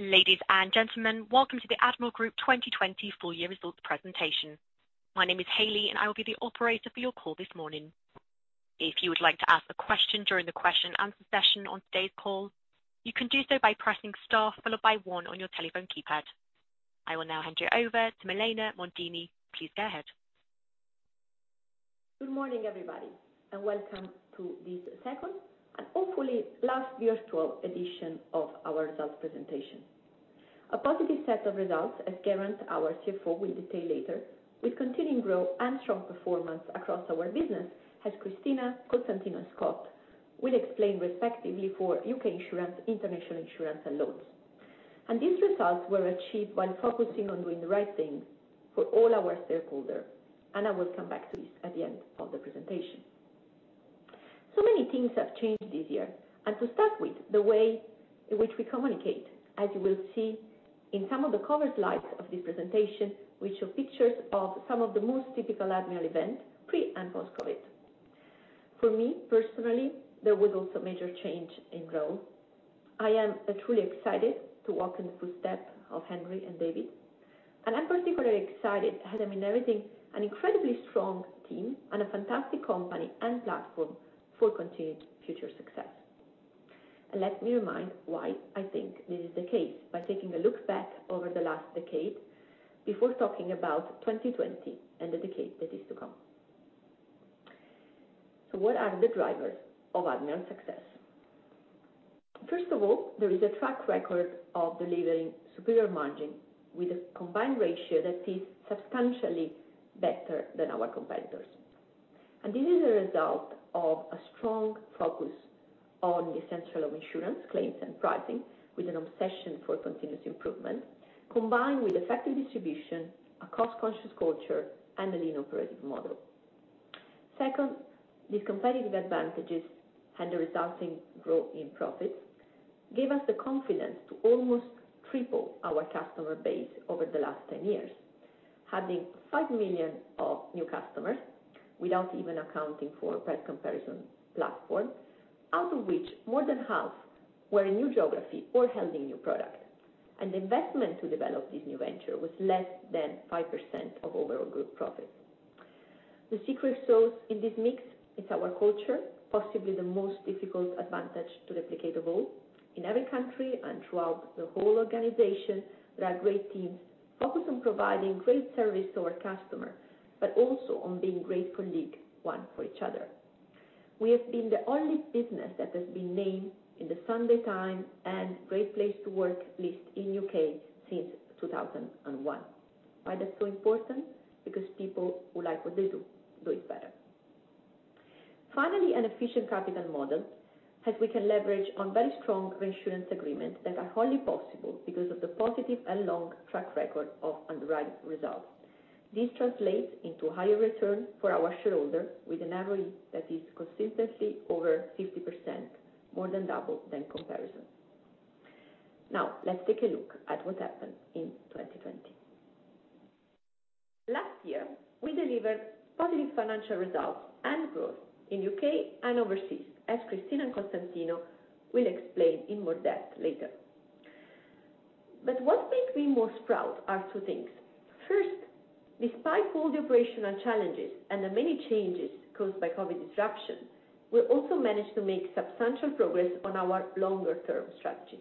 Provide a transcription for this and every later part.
Ladies and gentlemen, welcome to the Admiral Group 2020 Full Year Results presentation. My name is Haley, and I will be the operator for your call this morning. If you would like to ask a question during the question and answer session on today's call, you can do so by pressing Star followed by one on your telephone keypad. I will now hand you over to Milena Mondini. Please go ahead. Good morning, everybody, and welcome to this second and hopefully last year 2012 edition of our results presentation. A positive set of results, as Geraint, our CFO, will detail later. With continuing growth and strong performance across our business as Cristina, Costantino, and Scott will explain, respectively, for UK Insurance, International Insurance, and Loans. These results were achieved while focusing on doing the right thing for all our stakeholders, and I will come back to this at the end of the presentation. Many things have changed this year, and to start with, the way in which we communicate. As you will see in some of the cover slides of this presentation, which show pictures of some of the most typical Admiral events, pre- and post-COVID. For me, personally, there was also a major change in role. I am truly excited to walk in the footsteps of Henry and David, and I'm particularly excited as I'm inheriting an incredibly strong team and a fantastic company and platform for continued future success. And let me remind why I think this is the case by taking a look back over the last decade before talking about 2020 and the decade that is to come. What are the drivers of Admiral success? First of all, there is a track record of delivering superior margin with a Combined Ratio that is substantially better than our competitors. This is a result of a strong focus on the essentials of insurance, claims, and pricing, with an obsession for continuous improvement, combined with effective distribution, a cost-conscious culture, and a lean operating model. Second, these competitive advantages and the resulting growth in profits gave us the confidence to almost triple our customer base over the last 10 years. Adding 5 million of new customers, without even accounting for price comparison platform, out of which more than half were in new geography or handling new products. The investment to develop this new venture was less than 5% of overall group profits. The secret sauce in this mix is our culture, possibly the most difficult advantage to replicate of all. In every country and throughout the whole organization, there are great teams focused on providing great service to our customers, but also on being great colleague, one for each other. We have been the only business that has been named in the Sunday Times and Great Place to Work list in the U.K. since 2001. Why that's so important? Because people who like what they do, do it better. Finally, an efficient capital model, as we can leverage on very strong reinsurance agreements that are only possible because of the positive and long track record of underwriting results. This translates into higher return for our shareholders, with an ROE that is consistently over 50%, more than double than comparison. Now, let's take a look at what happened in 2020. Last year, we delivered positive financial results and growth in UK and overseas, as Cristina and Costantino will explain in more depth later. But what makes me most proud are two things. First, despite all the operational challenges and the many changes caused by COVID disruption, we also managed to make substantial progress on our longer term strategy,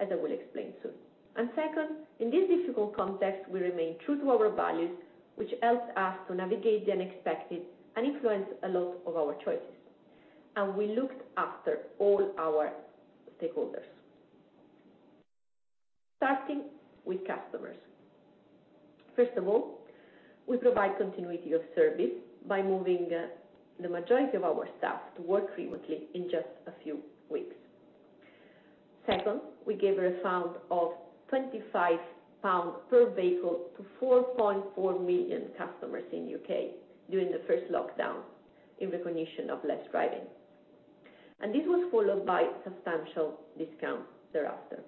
as I will explain soon. Second, in this difficult context, we remain true to our values, which helps us to navigate the unexpected and influence a lot of our choices, and we looked after all our stakeholders. Starting with customers. First of all, we provide continuity of service by moving the majority of our staff to work remotely in just a few weeks. Second, we gave a refund of 25 pounds per vehicle to 4.4 million customers in U.K. during the first lockdown, in recognition of less driving, and this was followed by substantial discounts thereafter.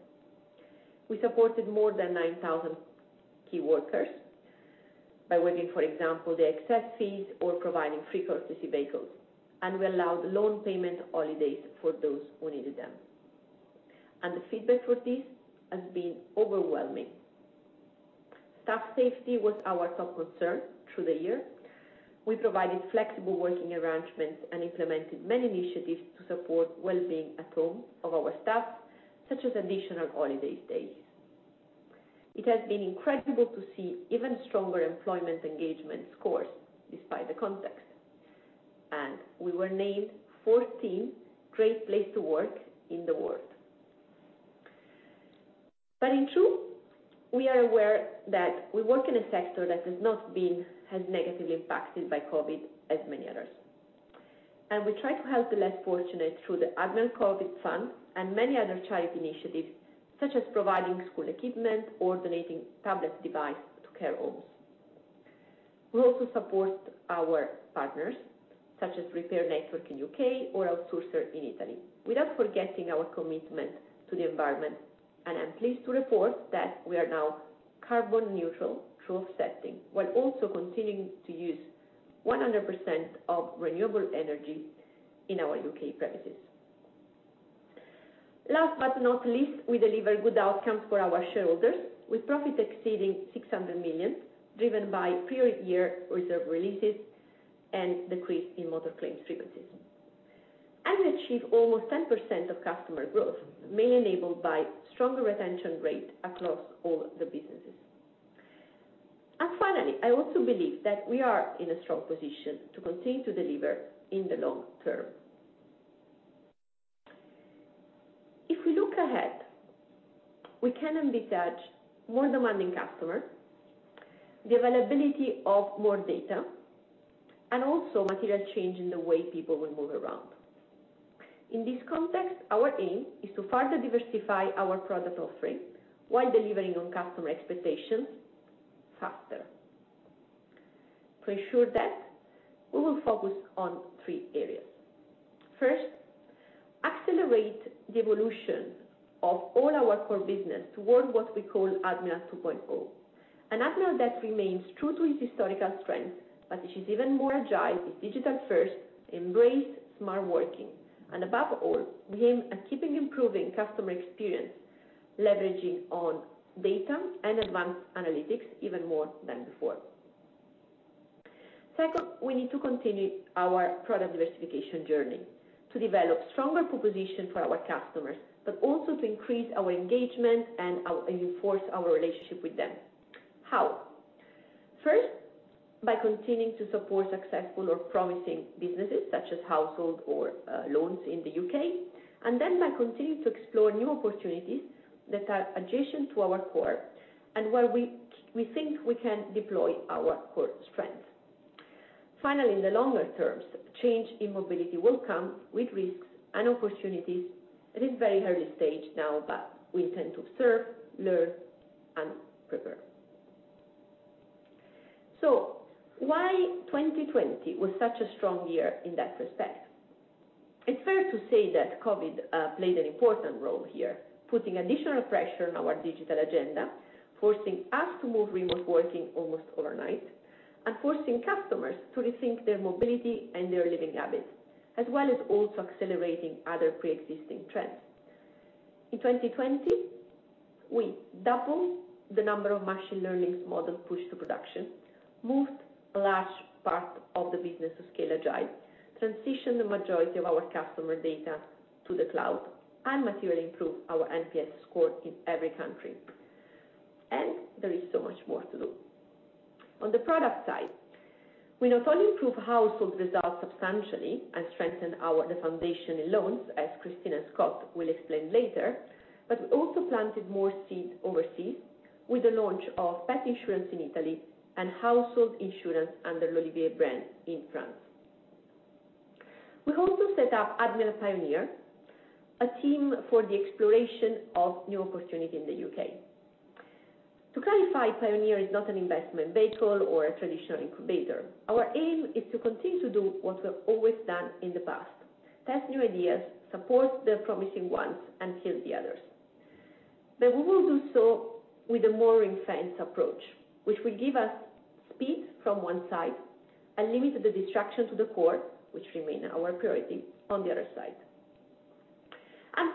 We supported more than 9,000 key workers by waiving, for example, the excess fees or providing free courtesy vehicles, and we allowed loan payment holidays for those who needed them. The feedback for this has been overwhelming. Staff safety was our top concern through the year. We provided flexible working arrangements and implemented many initiatives to support well-being at home of our staff, such as additional holiday days. It has been incredible to see even stronger employee engagement scores despite the context, and we were named fourteenth Great Place to Work in the world. In truth, we are aware that we work in a sector that has not been as negatively impacted by COVID as many others. We try to help the less fortunate through the Admiral COVID Fund and many other charity initiatives, such as providing school equipment or donating tablet devices to care homes. We also support our partners, such as repair network in UK or outsourcer in Italy, without forgetting our commitment to the environment. I'm pleased to report that we are now carbon neutral through offsetting, while also continuing to use 100% of renewable energy. in our UK premises. Last but not least, we delivered good outcomes for our shareholders, with profit exceeding 600 million, driven by prior year reserve releases and decrease in motor claims frequencies. We achieved almost 10% of customer growth, mainly enabled by stronger retention rate across all the businesses. Finally, I also believe that we are in a strong position to continue to deliver in the long term. If we look ahead, we can envisage more demanding customer, the availability of more data, and also material change in the way people will move around. In this context, our aim is to further diversify our product offering while delivering on customer expectations faster. To ensure that, we will focus on three areas. First, accelerate the evolution of all our core business toward what we call Admiral 2.0. Admiral that remains true to its historical strength, but which is even more agile, with digital first, embrace smart working, and above all, we aim at keeping improving customer experience, leveraging on data and advanced analytics even more than before. Second, we need to continue our product diversification journey to develop stronger proposition for our customers, but also to increase our engagement and our, and enforce our relationship with them. How? First, by continuing to support successful or promising businesses such as household or loans in the UK, and then by continuing to explore new opportunities that are adjacent to our core and where we think we can deploy our core strength. Finally, in the longer terms, change in mobility will come with risks and opportunities. It is very early stage now, but we intend to observe, learn, and prepare. Why 2020 was such a strong year in that respect? It's fair to say that Covid played an important role here, putting additional pressure on our digital agenda, forcing us to move remote working almost overnight, and forcing customers to rethink their mobility and their living habits, as well as also accelerating other pre-existing trends. In 2020, we doubled the number of machine learning models pushed to production, moved a large part of the business to scale agile, transition the majority of our customer data to the cloud, and materially improve our NPS score in every country. There is so much more to do. On the product side, we not only improved household results substantially and strengthened our foundation in loans, as Cristina Nestares will explain later, but we also planted more seeds overseas with the launch of pet insurance in Italy and household insurance under L'olivier brand in France. We also set up Admiral Pioneer, a team for the exploration of new opportunity in the UK. To clarify, Pioneer is not an investment vehicle or a traditional incubator. Our aim is to continue to do what we have always done in the past, test new ideas, support the promising ones, and kill the others. We will do so with a more refined approach, which will give us speed from one side and limit the distraction to the core, which remain our priority on the other side.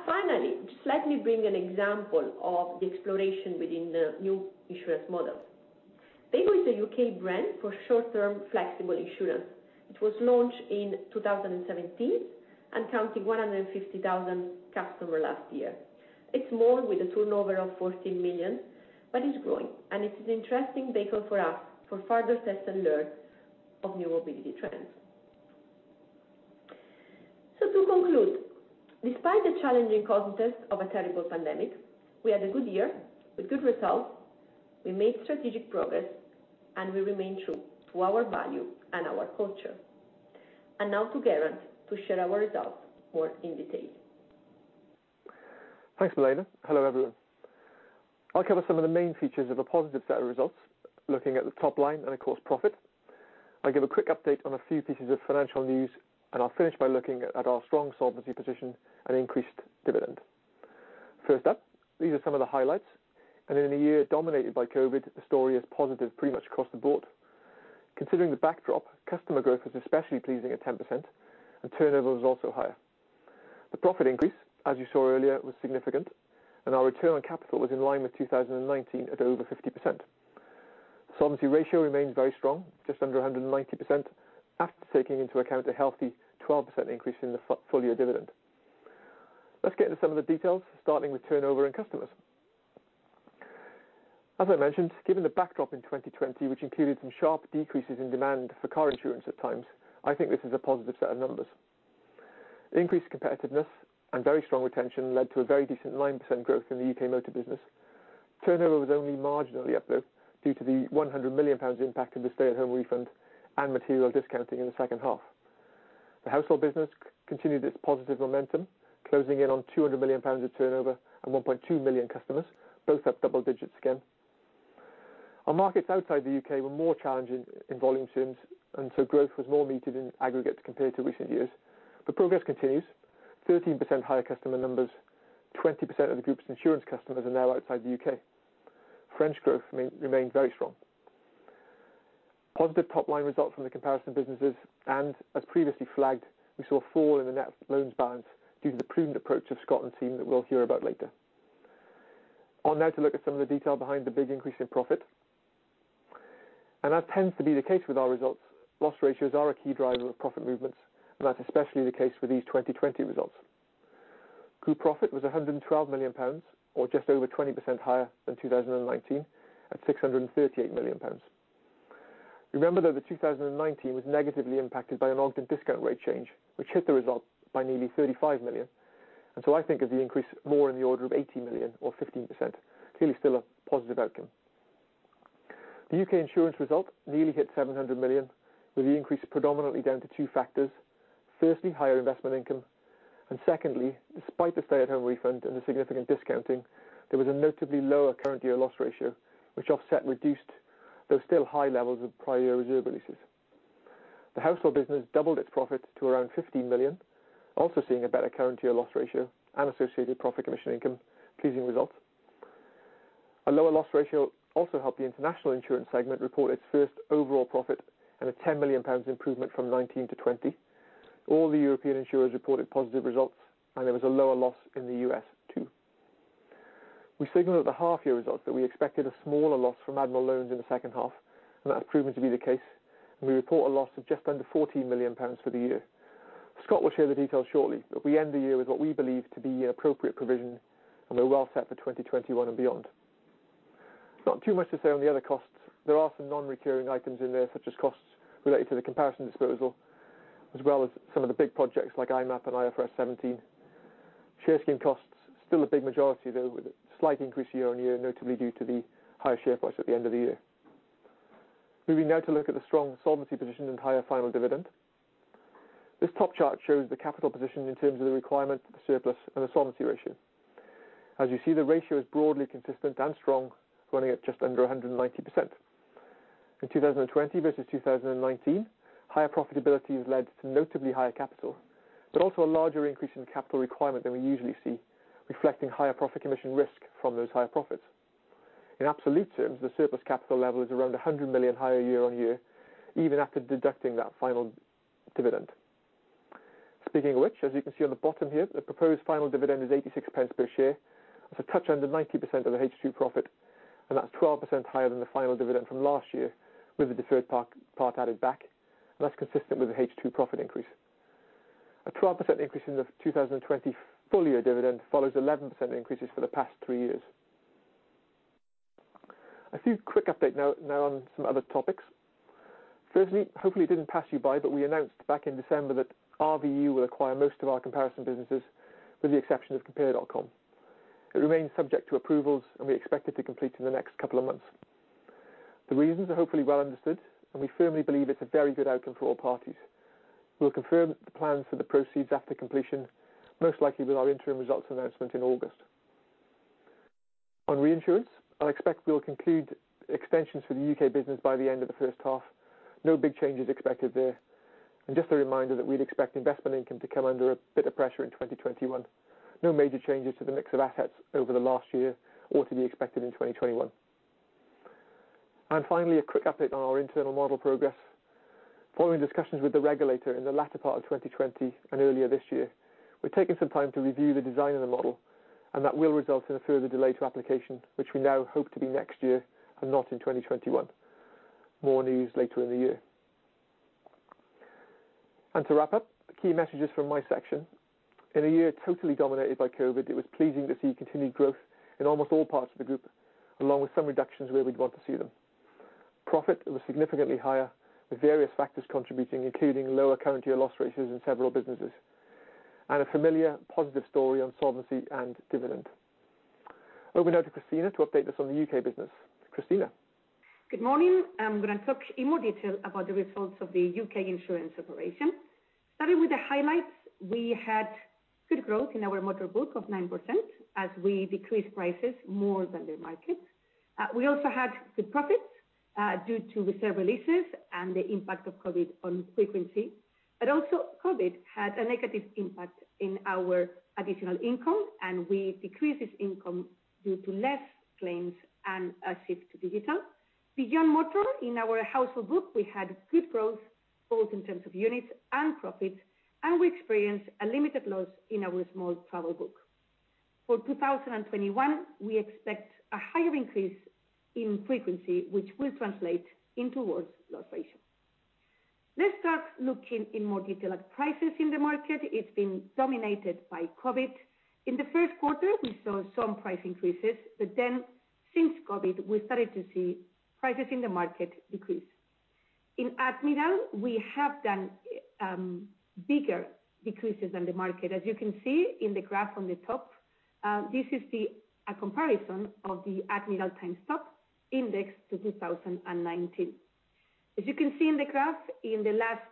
Finally, just let me bring an example of the exploration within the new insurance model. Veygo is a UK brand for short-term, flexible insurance. It was launched in 2017 and counting 150,000 customers last year. It's small with a turnover of 14 million, but it's growing, and it's an interesting vehicle for us for further test and learn of new mobility trends. To conclude, despite the challenging context of a terrible pandemic, we had a good year with good results, we made strategic progress, and we remain true to our values and our culture. Now to Geraint to share our results more in detail. Thanks, Milena. Hello, everyone. I'll cover some of the main features of a positive set of results, looking at the top line and, of course, profit. I'll give a quick update on a few pieces of financial news, and I'll finish by looking at our strong solvency position and increased dividend. First up, these are some of the highlights, and in a year dominated by COVID, the story is positive pretty much across the board. Considering the backdrop, customer growth was especially pleasing at 10%, and turnover was also higher. The profit increase, as you saw earlier, was significant, and our return on capital was in line with 2019 at over 50%. Solvency ratio remains very strong, just under 190%, after taking into account a healthy 12% increase in the full year dividend. Let's get into some of the details, starting with turnover and customers. As I mentioned, given the backdrop in 2020, which included some sharp decreases in demand for car insurance at times, I think this is a positive set of numbers. Increased competitiveness and very strong retention led to a very decent 9% growth in the UK motor business. Turnover was only marginally uplift due to the 100 million pounds impact of the Stay at Home Refund and material discounting in the second half. The household business continued its positive momentum, closing in on 200 million pounds of turnover and 1.2 million customers, both up double digits again. Our markets outside the UK were more challenging in volume terms, and so growth was more muted in aggregate compared to recent years. But progress continues. 13% higher customer numbers, 20% of the group's insurance customers are now outside the UK. French growth remains very strong. Positive top line results from the comparison businesses, and as previously flagged, we saw a fall in the net loans balance due to the prudent approach of Scotland team that we'll hear about later. On now to look at some of the detail behind the big increase in profit. That tends to be the case with our results. Loss ratios are a key driver of profit movements, and that's especially the case with these 2020 results. Group profit was 112 million pounds, or just over 20% higher than 2019, at 638 million pounds. Remember, though, that 2019 was negatively impacted by an audit discount rate change, which hit the result by nearly 35 million. And so I think of the increase more in the order of 80 million or 15%. Clearly still a positive outcome. The UK insurance result nearly hit 700 million, with the increase predominantly down to two factors. Firstly, higher investment income, and secondly, despite the stay-at-home refund and the significant discounting, there was a notably lower current year loss ratio, which offset reduced, though still high levels of prior year reserve releases. The household business doubled its profit to around 15 million, also seeing a better current year loss ratio and associated profit commission income. Pleasing results. A lower loss ratio also helped the international insurance segment report its first overall profit and a 10 million pounds improvement from 2019 to 2020. All the European insurers reported positive results, and there was a lower loss in the US, too. We signaled at the half-year results that we expected a smaller loss from Admiral Loans in the second half, and that's proven to be the case, and we report a loss of just under 14 million pounds for the year. Scott will share the details shortly, but we end the year with what we believe to be an appropriate provision, and we're well set for 2021 and beyond. Not too much to say on the other costs. There are some non-recurring items in there, such as costs related to the comparison disposal, as well as some of the big projects like IMAP and IFRS 17. Share scheme costs still a big majority, though, with a slight increase year-over-year, notably due to the higher share price at the end of the year. Moving now to look at the strong solvency position and higher final dividend. This top chart shows the capital position in terms of the requirement, the surplus, and the solvency ratio. As you see, the ratio is broadly consistent and strong, running at just under 190%. In 2020 versus 2019, higher profitability has led to notably higher capital, but also a larger increase in capital requirement than we usually see, reflecting higher profit commission risk from those higher profits. In absolute terms, the surplus capital level is around 100 million higher year-over-year, even after deducting that final dividend. Speaking of which, as you can see on the bottom here, the proposed final dividend is 0.86 per share. It's a touch under 90% of the H2 profit, and that's 12% higher than the final dividend from last year, with the deferred part added back, and that's consistent with the H2 profit increase. A 12% increase in the 2020 full year dividend follows 11% increases for the past 3 years. A few quick updates now on some other topics. Firstly, hopefully it didn't pass you by, but we announced back in December that RVU will acquire most of our comparison businesses, with the exception of Compare.com. It remains subject to approvals, and we expect it to complete in the next couple of months. The reasons are hopefully well understood, and we firmly believe it's a very good outcome for all parties. We'll confirm the plans for the proceeds after completion, most likely with our interim results announcement in August. On reinsurance, I expect we'll conclude extensions for the UK business by the end of the first half. No big changes expected there. Just a reminder that we'd expect investment income to come under a bit of pressure in 2021. No major changes to the mix of assets over the last year or to be expected in 2021. Finally, a quick update on our internal model progress. Following discussions with the regulator in the latter part of 2020 and earlier this year, we've taken some time to review the design of the model, and that will result in a further delay to application, which we now hope to be next year and not in 2021. More news later in the year. To wrap up, key messages from my section. In a year totally dominated by COVID, it was pleasing to see continued growth in almost all parts of the group, along with some reductions where we'd want to see them. Profit was significantly higher, with various factors contributing, including lower current year loss ratios in several businesses, and a familiar positive story on solvency and dividend. Over now to Cristina to update us on the U.K. business. Cristina? Good morning. I'm going to talk in more detail about the results of the U.K. insurance operation. Starting with the highlights, we had good growth in our motor book of 9% as we decreased prices more than the market. We also had good profits, due to reserve releases and the impact of COVID on frequency. A lso, COVID had a negative impact in our additional income, and we decreased this income due to less claims and a shift to digital. Beyond motor, in our household book, we had good growth both in terms of units and profits, and we experienced a limited loss in our small travel book. For 2021, we expect a higher increase in frequency, which will translate into worse loss ratio. Let's start looking in more detail at prices in the market. It's been dominated by COVID. In the Q1, we saw some price increases, but then since COVID, we started to see prices in the market decrease. In Admiral, we have done bigger decreases than the market. As you can see in the graph on the top, this is a comparison of the Admiral vs Top 5 Index to 2019. As you can see in the graph, in the last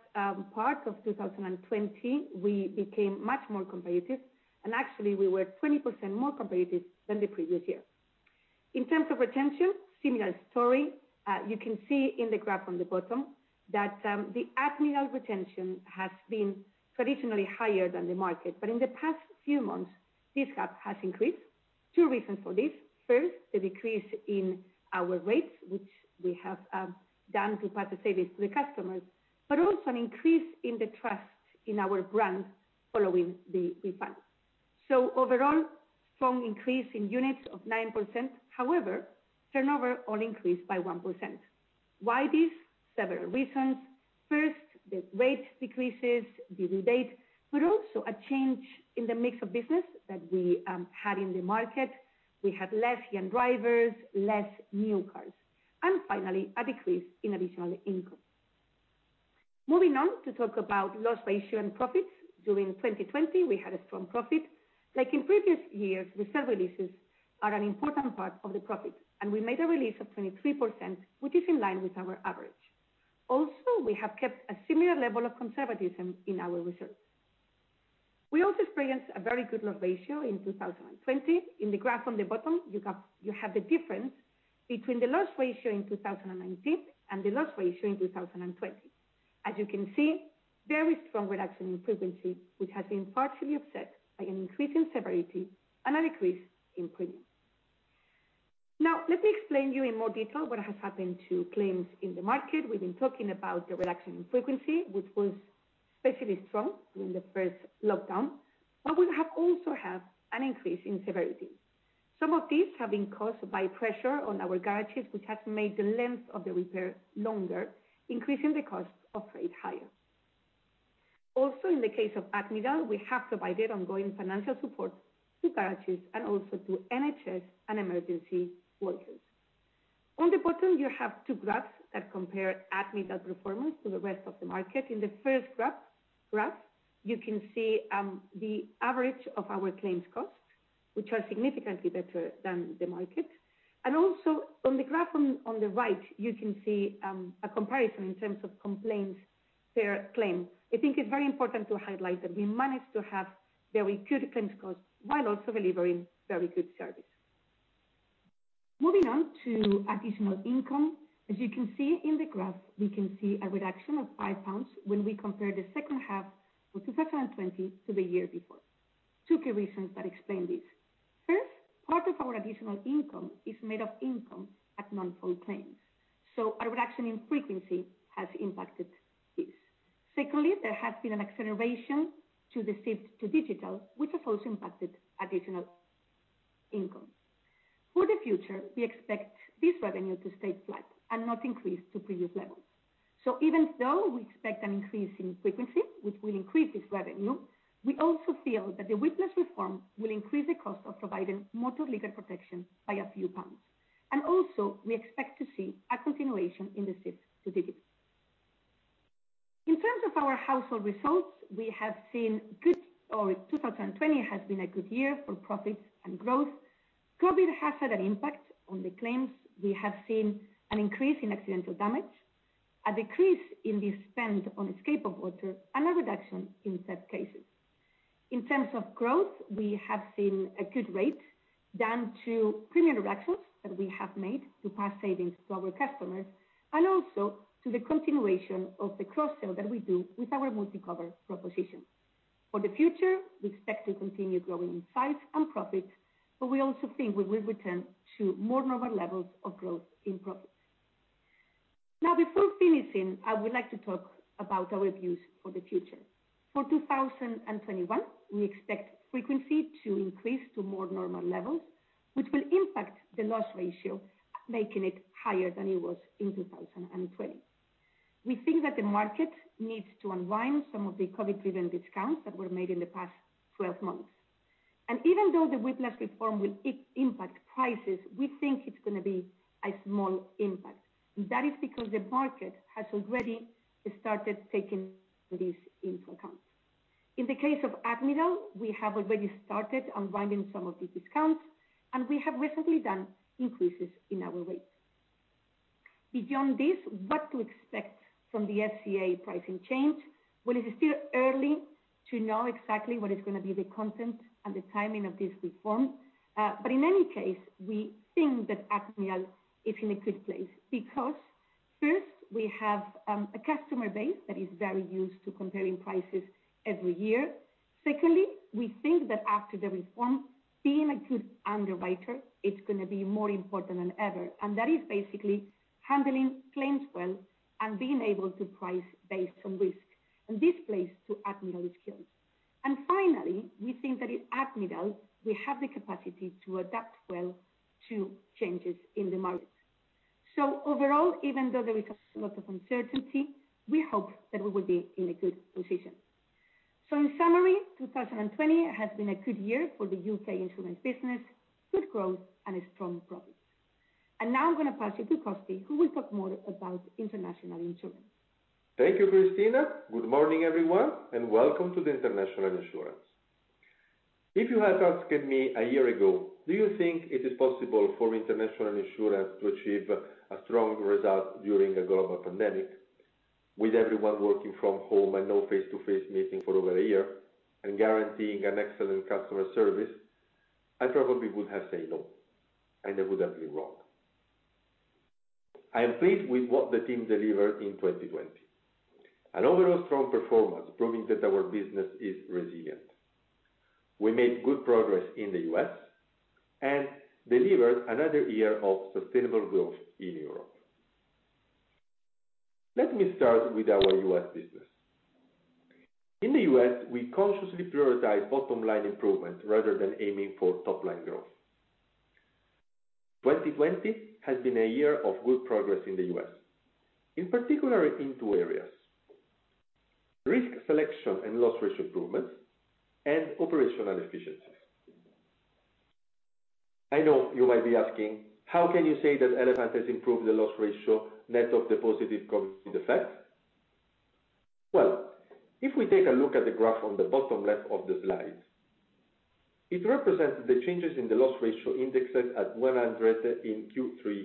part of 2020, we became much more competitive, and actually, we were 20% more competitive than the previous year. In terms of retention, similar story. You can see in the graph on the bottom that the Admiral retention has been traditionally higher than the market. But in the past few months, this gap has increased. Two reasons for this. First, the decrease in our rates, which we have done to pass the savings to the customers, but also an increase in the trust in our brand following the refund. So overall, strong increase in units of 9%. However, turnover only increased by 1%. Why this? Several reasons. First, the rate decreases the rebate, but also a change in the mix of business that we had in the market. We had less young drivers, less new cars, and finally, a decrease in additional income. Moving on to talk about loss ratio and profits. During 2020, we had a strong profit. Like in previous years, reserve releases are an important part of the profit, and we made a release of 23%, which is in line with our average. Also, we have kept a similar level of conservatism in our reserves. We also experienced a very good loss ratio in 2020. In the graph on the bottom, you have, you have the difference between the loss ratio in 2019, and the loss ratio in 2020. As you can see, very strong reduction in frequency, which has been partially offset by an increase in severity and a decrease in premium. Now, let me explain you in more detail what has happened to claims in the market. We've been talking about the reduction in frequency, which was especially strong during the first lockdown, but we also have an increase in severity. Some of these have been caused by pressure on our garages, which has made the length of the repair longer, increasing the cost of repair higher. Also, in the case of Admiral, we have provided ongoing financial support to garages and also to NHS and emergency workers. On the bottom, you have two graphs that compare Admiral performance to the rest of the market. In the first graph, you can see the average of our claims costs, which are significantly better than the market. A lso on the graph on the right, you can see a comparison in terms of complaints per claim. I think it's very important to highlight that we managed to have very good claims costs, while also delivering very good service. Moving on to additional income. As you can see in the graph, we can see a reduction of 5 pounds when we compare the second half of 2020 to the year before. Two key reasons that explain this. First, part of our additional income is made up of income from non-fault claims, so a reduction in frequency has impacted this. Secondly, there has been an acceleration to the shift to digital, which has also impacted additional income. For the future, we expect this revenue to stay flat and not increase to previous levels. Even though we expect an increase in frequency, which will increase this revenue, we also feel that the Whiplash Reform will increase the cost of providing motor legal protection by a few GBP. And also, we expect to see a continuation in the shift to digital. In terms of our household results, we have seen 2020 has been a good year for profits and growth. COVID has had an impact on the claims. We have seen an increase in accidental damage, a decrease in the spend on escape of water, and a reduction in third parties. In terms of growth, we have seen a good rate down to premium reductions that we have made to pass savings to our customers, and also to the continuation of the cross-sell that we do with our multi-cover proposition. For the future, we expect to continue growing in size and profits, but we also think we will return to more normal levels of growth in profits. Now, before finishing, I would like to talk about our views for the future. For 2021, we expect frequency to increase to more normal levels, which will impact the loss ratio, making it higher than it was in 2020. We think that the market needs to unwind some of the COVID-driven discounts that were made in the past 12 months. Even though the Whiplash Reform will impact prices, we think it's gonna be a small impact, and that is because the market has already started taking this into account. In the case of Admiral, we have already started unwinding some of the discounts, and we have recently done increases in our rates. Beyond this, what to expect from the FCA pricing change? Well, it is still early to know exactly what is gonna be the content and the timing of this reform. In any case, we think that Admiral is in a good place, because, first, we have a customer base that is very used to comparing prices every year. Secondly, we think that after the reform, being a good underwriter is gonna be more important than ever, and that is basically handling claims well and being able to price based on risk. This plays to Admiral's skills. Finally, we think that at Admiral, we have the capacity to adapt well to changes in the market. Overall, even though there is a lot of uncertainty, we hope that we will be in a good position. In summary, 2020 has been a good year for the UK insurance business, good growth and a strong profit. And now I'm gonna pass you to Costi, who will talk more about international insurance. Thank you, Cristina. Good morning, everyone, and welcome to the International Insurance. If you had asked me a year ago, do you think it is possible for International Insurance to achieve a strong result during a global pandemic, with everyone working from home and no face-to-face meeting for over a year, and guaranteeing an excellent customer service? I probably would have said no, and I would have been wrong. I am pleased with what the team delivered in 2020. An overall strong performance, proving that our business is resilient. We made good progress in the U.S. and delivered another year of sustainable growth in Europe. Let me start with our U.S. business. In the U.S.,we consciously prioritize bottom line improvement rather than aiming for top line growth. 2020 has been a year of good progress in the U.S., in particular, in two areas: risk selection and loss ratio improvements and operational efficiencies. I know you might be asking, how can you say that Elephant has improved the loss ratio net of the positive COVID effect? Well, if we take a look at the graph on the bottom left of the slide, it represents the changes in the loss ratio indexed at 100 in Q3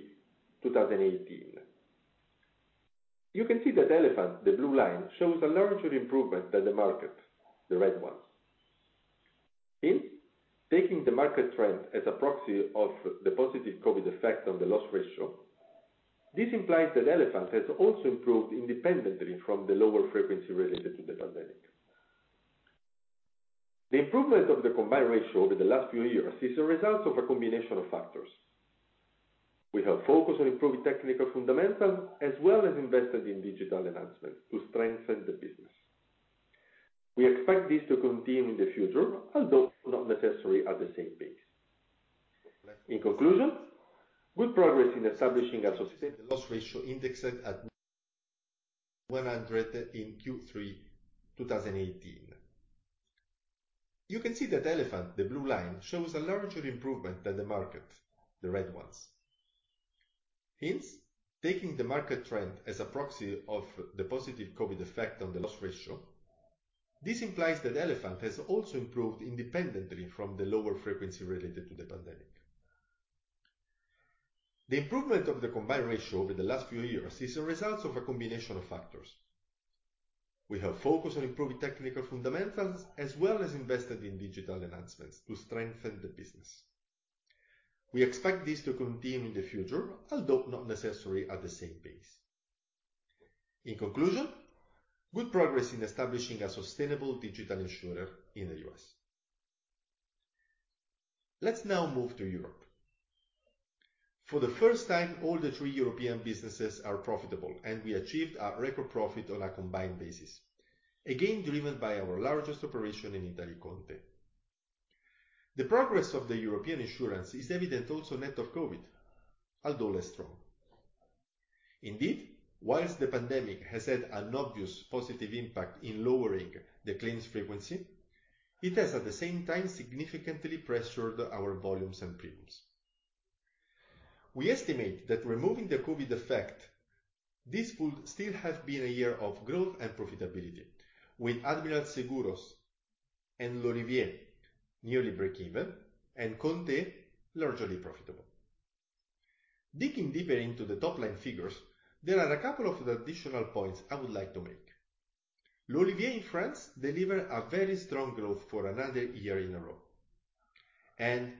2018. You can see that Elephant, the blue line, shows a larger improvement than the market, the red ones. In taking the market trend as a proxy of the positive COVID effect on the loss ratio, this implies that Elephant has also improved independently from the lower frequency related to the pandemic. The improvement of the combined ratio over the last few years is a result of a combination of factors. We have focused on improving technical fundamentals, as well as invested in digital enhancement to strengthen the business. We expect this to continue in the future, although not necessarily at the same pace. In conclusion, good progress in establishing a sustainable loss ratio indexed at 100 in Q3 2018. You can see that Elephant, the blue line, shows a larger improvement than the market, the red ones. Hence, taking the market trend as a proxy of the positive COVID effect on the loss ratio, this implies that Elephant has also improved independently from the lower frequency related to the pandemic. The improvement of the combined ratio over the last few years is a result of a combination of factors. We have focused on improving technical fundamentals, as well as invested in digital enhancements to strengthen the business. We expect this to continue in the future, although not necessarily at the same pace. In conclusion, good progress in establishing a sustainable digital insurer in the U.S. Let's now move to Europe. For the first time, all the three European businesses are profitable, and we achieved a record profit on a combined basis, again, driven by our largest operation in Italy, ConTe. The progress of the European insurance is evident also net of COVID, although less strong. Indeed, while the pandemic has had an obvious positive impact in lowering the claims frequency, it has, at the same time, significantly pressured our volumes and premiums. We estimate that removing the COVID effect, this would still have been a year of growth and profitability, with Admiral Seguros and L'olivier nearly breakeven and ConTe.it largely profitable. Digging deeper into the top-line figures, there are a couple of additional points I would like to make. L'olivier in France delivered a very strong growth for another year in a row, and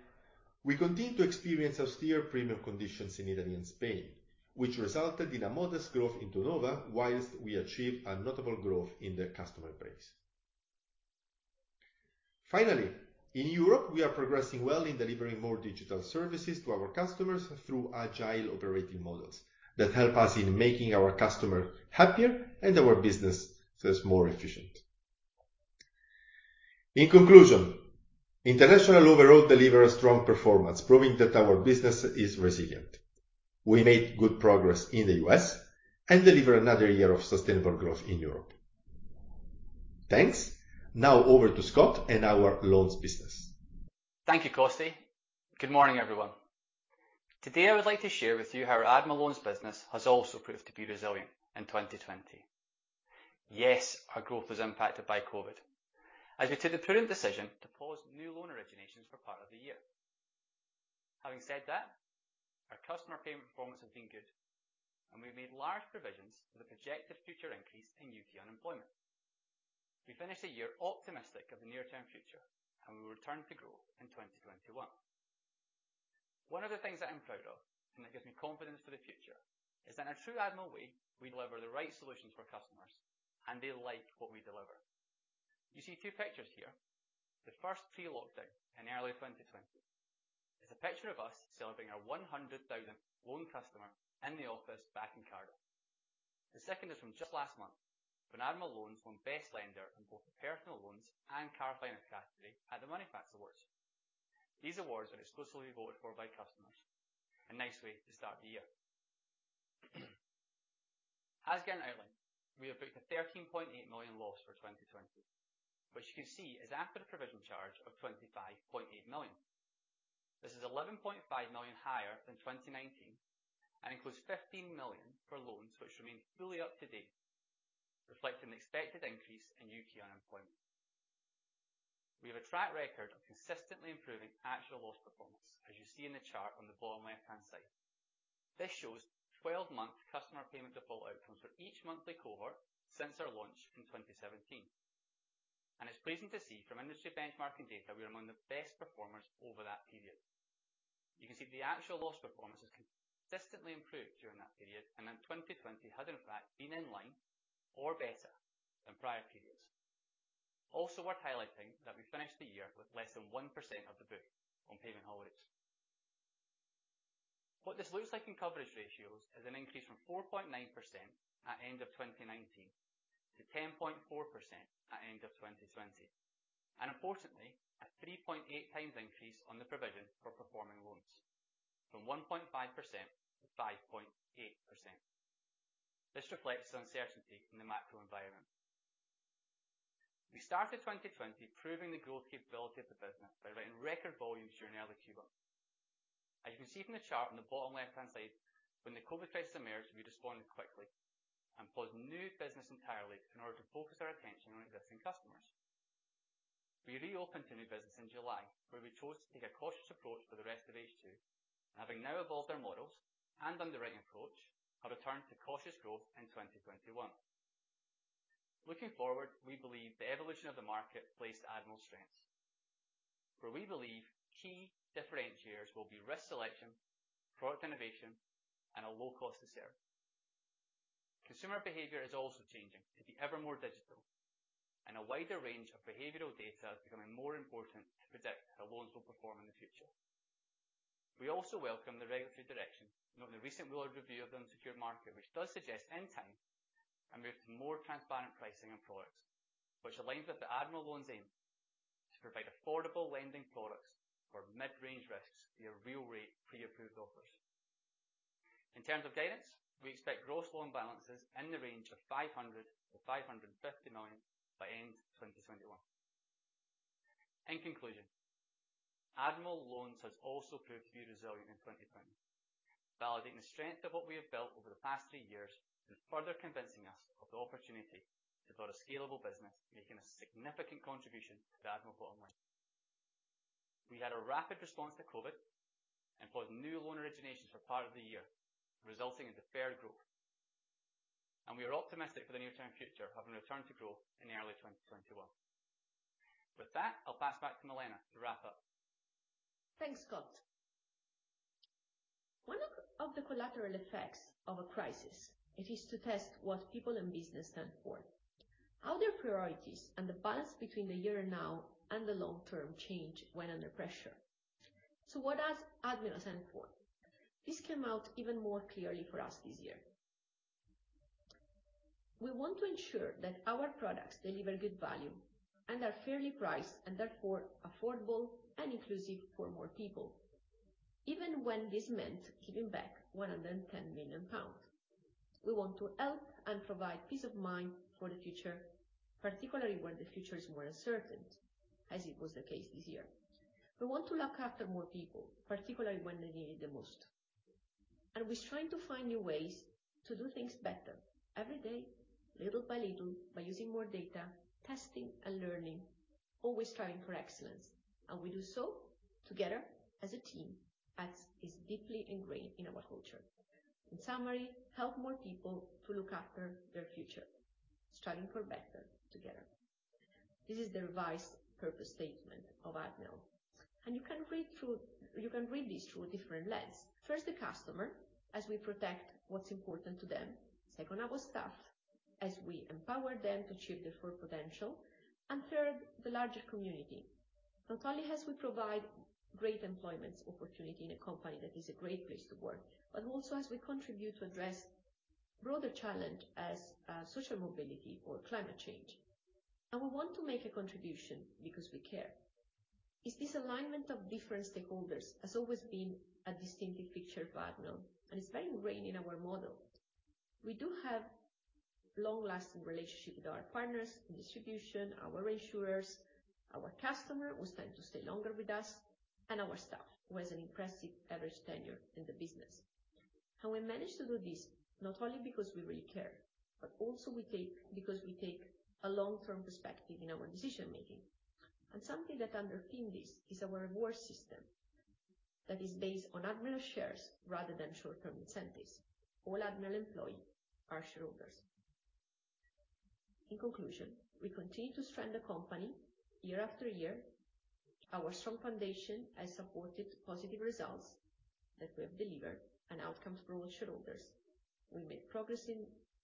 we continue to experience austere premium conditions in Italy and Spain, which resulted in a modest growth in turnover, while we achieved a notable growth in the customer base. Finally, in Europe, we are progressing well in delivering more digital services to our customers through agile operating models that help us in making our customer happier and our business, thus, more efficient. In conclusion, international overall delivered a strong performance, proving that our business is resilient. We made good progress in the U.S. and delivered another year of sustainable growth in Europe. Thanks. Now over to Scott and our loans business. Thank you, Costi. Good morning, everyone. Today, I would like to share with you how our Admiral Loans business has also proved to be resilient in 2020. Yes, our growth was impacted by COVID, as we took the prudent decision to pause new loan originations for part of the year. Having said that, our customer payment performance has been good, and we've made large provisions for the projected future increase in UK unemployment. We finish the year optimistic of the near-term future, and we will return to growth in 2021. One of the things that I'm proud of, and that gives me confidence for the future, is that in a true Admiral way, we deliver the right solutions for customers, and they like what we deliver. You see two pictures here. The first, pre-lockdown in early 2020, is a picture of us celebrating our 100,000th loan customer in the office back in Cardiff. The second is from just last month, when Admiral Loans won Best Lender in both the personal loans and car finance category at the Moneyfacts Awards. These awards are exclusively voted for by customers. A nice way to start the year. As guideline, we have booked a 13.8 million loss for 2020, which you can see is after a provision charge of 25.8 million. This is 11.5 million higher than 2019 and includes 15 million for loans which remain fully up to date, reflecting the expected increase in UK unemployment. We have a track record of consistently improving actual loss performance, as you see in the chart on the bottom left-hand side. This shows 12-month customer payment default outcomes for each monthly cohort since our launch in 2017... and it's pleasing to see from industry benchmarking data, we are among the best performers over that period. You can see the actual loss performance has consistently improved during that period, and in 2020 had in fact been in line or better than prior periods. Also worth highlighting that we finished the year with less than 1% of the book on payment holidays. What this looks like in coverage ratios is an increase from 4.9% at end of 2019 to 10.4% at end of 2020, and importantly, a 3.8 times increase on the provision for performing loans from 1.5% to 5.8%. This reflects the uncertainty in the macro environment. We started 2020 proving the growth capability of the business by writing record volumes during early Q1. As you can see from the chart on the bottom left-hand side, when the COVID crisis emerged, we responded quickly and paused new business entirely in order to focus our attention on existing customers. We reopened to new business in July, where we chose to take a cautious approach for the rest of H2, and having now evolved our models and underwriting approach, have returned to cautious growth in 2021. Looking forward, we believe the evolution of the market plays to Admiral's strengths, where we believe key differentiators will be risk selection, product innovation, and a low-cost to serve. Consumer behavior is also changing to be ever more digital, and a wider range of behavioral data is becoming more important to predict how loans will perform in the future. We also welcome the regulatory direction, noting the recent broad review of the insurance market, which does suggest end time and move to more transparent pricing and products, which aligns with the Admiral Loans aim to provide affordable lending products for mid-range risks via real rate pre-approved offers. In terms of guidance, we expect gross loan balances in the range of 500 million to 550 million by end 2021. In conclusion, Admiral Loans has also proved to be resilient in 2020, validating the strength of what we have built over the past three years and further convincing us of the opportunity to build a scalable business, making a significant contribution to the Admiral bottom line. We had a rapid response to COVID and paused new loan originations for part of the year, resulting in deferred growth. We are optimistic for the near-term future, having returned to growth in early 2021. With that, I'll pass back to Milena to wrap up. Thanks, Scott. One of the collateral effects of a crisis, it is to test what people in business stand for, how their priorities, and the balance between the here and now and the long term change when under pressure. What does Admiral stand for? This came out even more clearly for us this year. We want to ensure that our products deliver good value and are fairly priced, and therefore affordable and inclusive for more people, even when this meant giving back 110 million pounds. We want to help and provide peace of mind for the future, particularly when the future is more uncertain, as it was the case this year. We want to look after more people, particularly when they need it the most. We're trying to find new ways to do things better every day, little by little, by using more data, testing and learning, always striving for excellence, and we do so together as a team, as is deeply ingrained in our culture. In summary, help more people to look after their future, striving for better together. This is the revised purpose statement of Admiral, and you can read through. You can read this through a different lens. First, the customer, as we protect what's important to them. Second, our staff, as we empower them to achieve their full potential. And third, the larger community. Not only as we provide great employment opportunity in a company that is a great place to work, but also as we contribute to address broader challenge as, social mobility or climate change. And we want to make a contribution because we care. It's this alignment of different stakeholders has always been a distinctive feature of Admiral, and it's very ingrained in our model. We do have long-lasting relationship with our partners in distribution, our reinsurers, our customer, who tend to stay longer with us, and our staff, who has an impressive average tenure in the business. We manage to do this not only because we really care, but also we take, because we take a long-term perspective in our decision making. Something that underpins this is our reward system that is based on Admiral shares rather than short-term incentives. All Admiral employee are shareholders. In conclusion, we continue to strengthen the company year after year. Our strong foundation has supported positive results that we have delivered and outcomes for all shareholders. We made progress in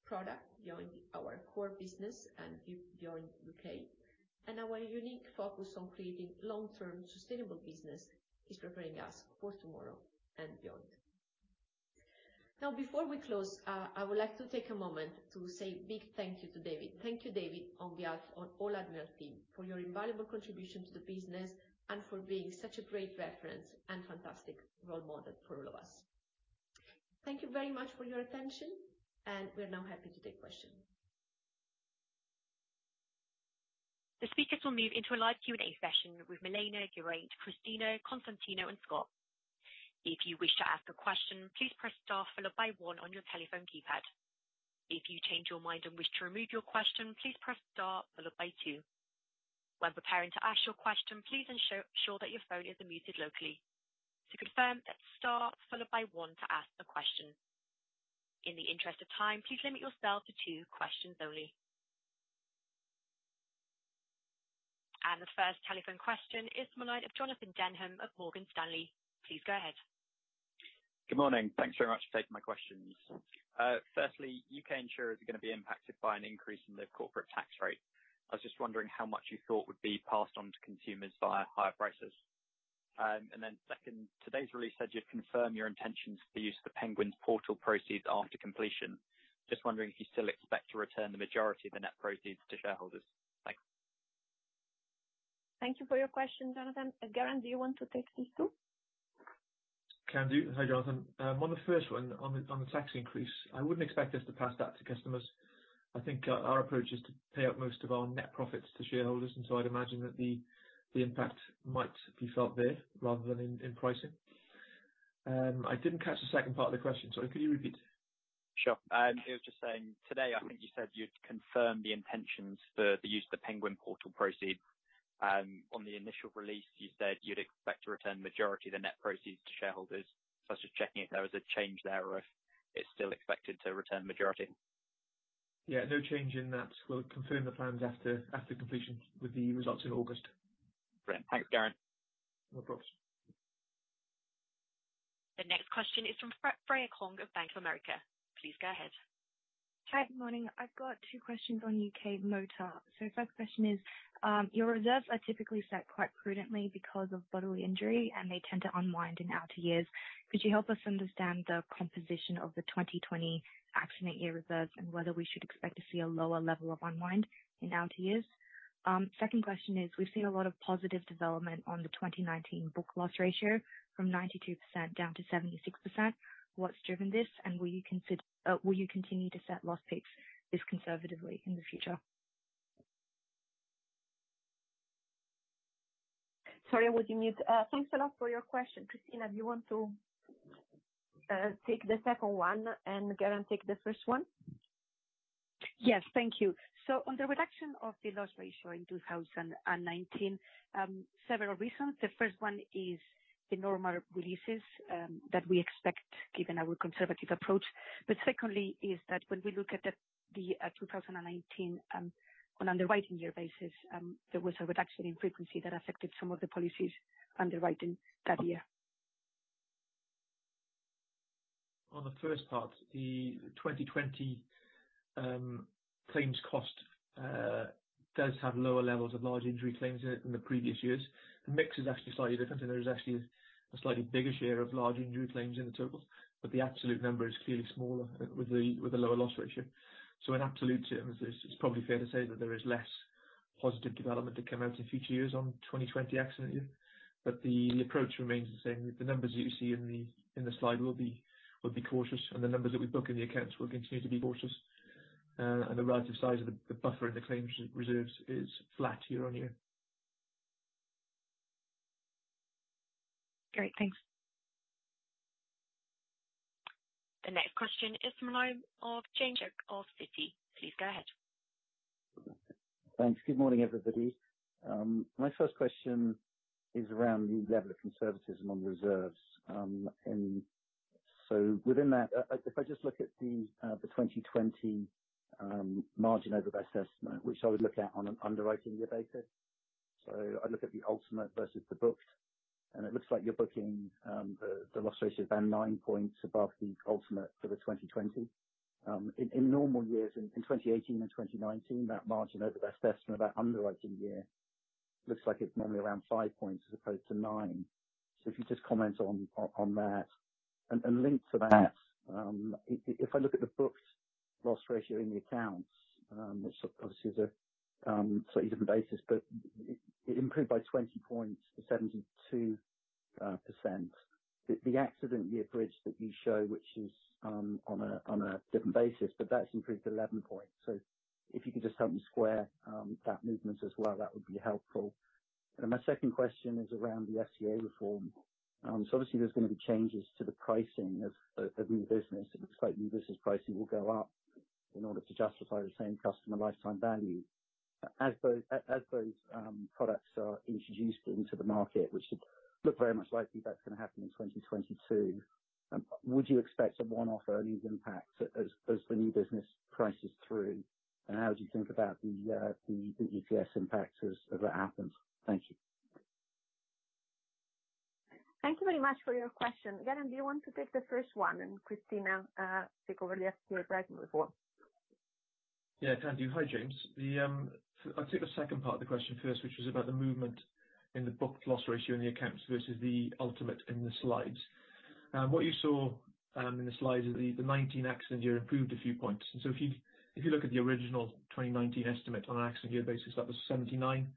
product beyond our core business and beyond UK, and our unique focus on creating long-term, sustainable business is preparing us for tomorrow and beyond. Now, before we close, I would like to take a moment to say a big thank you to David. Thank you, David, on behalf of all Admiral team, for your invaluable contribution to the business and for being such a great reference and fantastic role model for all of us. Thank you very much for your attention, and we are now happy to take questions. The speakers will move into a live Q&A session with Milena, Geraint, Cristina, Costantino, and Scott. If you wish to ask a question, please press star followed by one on your telephone keypad. If you change your mind and wish to remove your question, please press star followed by two. When preparing to ask your question, please ensure that your phone is unmuted locally. To confirm, that's star followed by one to ask a question. In the interest of time, please limit yourself to two questions only. The first telephone question is from the line of Jonathan Denham of Morgan Stanley. Please go ahead. Good morning. Thanks very much for taking my questions. Firstly, U.K. insurers are going to be impacted by an increase in the corporate tax rate. I was just wondering how much you thought would be passed on to consumers via higher prices? Second, today's release said you'd confirm your intentions for use of the Penguin Portals proceeds after completion. Just wondering if you still expect to return the majority of the net proceeds to shareholders. Thanks. Thank you for your question, Jonathan. Geraint, do you want to take these two? Can do. Hi, Jonathan. On the first one, on the tax increase, I wouldn't expect us to pass that to customers. I think our approach is to pay out most of our net profits to shareholders, and so I'd imagine that the impact might be felt there rather than in pricing. I didn't catch the second part of the question, sorry, could you repeat? Sure. It was just saying, today, I think you said you'd confirm the intentions for the use of the Penguin Portals proceeds. On the initial release, you said you'd expect to return the majority of the net proceeds to shareholders. I was just checking if there was a change there or if it's still expected to return majority? No change in that. We'll confirm the plans after completion with the results in August. Great. Thanks, Geraint. No problem. The next question is from Freya Kong of Bank of America. Please go ahead. Hi, good morning. I've got two questions on UK motor. First question is, your reserves are typically set quite prudently because of bodily injury, and they tend to unwind in outer years. Could you help us understand the composition of the 2020 accident year reserves and whether we should expect to see a lower level of unwind in outer years? Second question is, we've seen a lot of positive development on the 2019 book-loss ratio from 92% down to 76%. What's driven this, and will you continue to set loss peaks this conservatively in the future? Sorry, I was on mute. Thanks a lot for your question. Cristina, do you want to take the second one, and Geraint take the first one? Yes, thank you. On the reduction of the loss ratio in 2019, several reasons. The first one is the normal releases that we expect given our conservative approach. Secondly, is that when we look at the 2019, on underwriting year basis, there was a reduction in frequency that affected some of the policies underwriting that year. On the first part, the 2020 claims cost does have lower levels of large injury claims in it than the previous years. The mix is actually slightly different, and there is actually a slightly bigger share of large injury claims in the total, but the absolute number is clearly smaller with the lower loss ratio. In absolute terms, it's probably fair to say that there is less positive development to come out in future years on 2020 accident year, but the approach remains the same. The numbers that you see in the slide will be cautious, and the numbers that we book in the accounts will continue to be cautious. And the relative size of the buffer in the claims reserves is flat year on year. Great, thanks. The next question is from the line of James Shuck of Citi. Please go ahead. Thanks. Good morning, everybody. My first question is around the level of conservatism on reserves, and so within that, if I just look at the 2020 margin over best estimate, which I would look at on an underwriting year basis, so I look at the ultimate versus the booked, and it looks like you're booking the loss ratio down nine points above the ultimate for the 2020. In normal years, in 2018 and 2019, that margin over best estimate, about underwriting year, looks like it's normally around 5 points as opposed to nine. So if you just comment on that. Linked to that, if I look at the booked loss ratio in the accounts, which obviously is a slightly different basis, but it improved by 20 points to 72%. The accident year average that you show, which is on a different basis, but that's improved 11 points. If you could just help me square that movement as well, that would be helpful. My second question is around the FCA reform. Obviously there's going to be changes to the pricing of new business. It looks like new business pricing will go up in order to justify the same customer lifetime value. As those products are introduced into the market, which it looks very much likely that's going to happen in 2022, would you expect a one-off early impact as the new business prices through? And how would you think about the GWP impact as that happens? Thank you. Thank you very much for your question. Geraint, do you want to take the first one, and Cristina, take over the FCA reform? Can do. Hi, James. I'll take the second part of the question first, which is about the movement in the booked loss ratio in the accounts versus the ultimate in the slides. What you saw, in the slides is the, the 2019 accident year improved a few points. If you, if you look at the original 2019 estimate on an accident year basis, that was 79,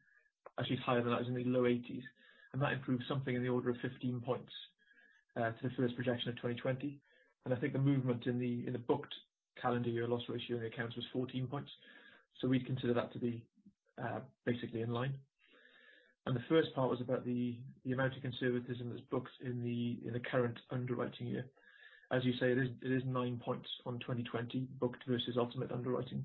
actually higher than that, it was in the low 80s. That improved something in the order of 15 points, to the first projection of 2020. I think the movement in the, in the booked calendar year loss ratio in the accounts was 14 points. So we'd consider that to be, basically in line. The first part was about the amount of conservatism that's booked in the current underwriting year. As you say, it is nine points on 2020, booked versus ultimate underwriting.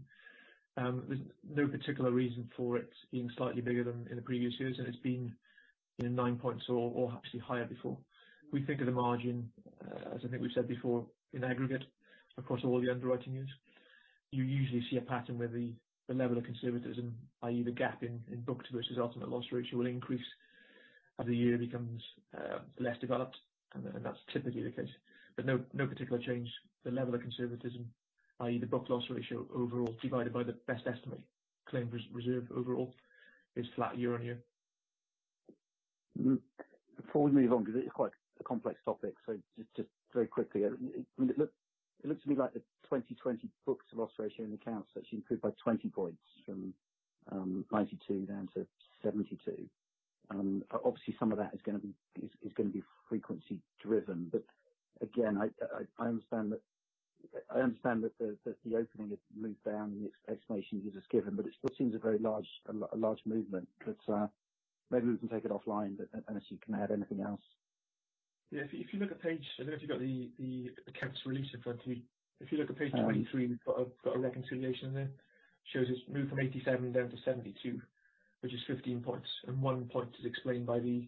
There's no particular reason for it being slightly bigger than in the previous years, and it's been, you know, nine points or actually higher before. We think of the margin, as I think we've said before, in aggregate across all the underwriting units. You usually see a pattern where the level of conservatism, i.e., the gap in booked versus ultimate loss ratio, will increase as the year becomes less developed, and then that's typically the case. No particular change. The level of conservatism, i.e., the book loss ratio overall, divided by the best estimate claim reserve overall, is flat year-on-year. Before we move on, because it's quite a complex topic, so just very quickly, it looks to me like the 2020 book loss ratio in the accounts actually improved by 20 points from 92 down to 72. Obviously, some of that is gonna be frequency driven, but again, I understand that. I understand that the opening has moved down, the explanation you just given, but it still seems a very large movement. Maybe we can take it offline, but unless you can add anything else. If you look at page 23. I don't know if you've got the accounts release in front of you. If you look at page 23. We've got a reconciliation there. It shows it's moved from 87 down to 72, which is 15 points, and 1 point is explained by the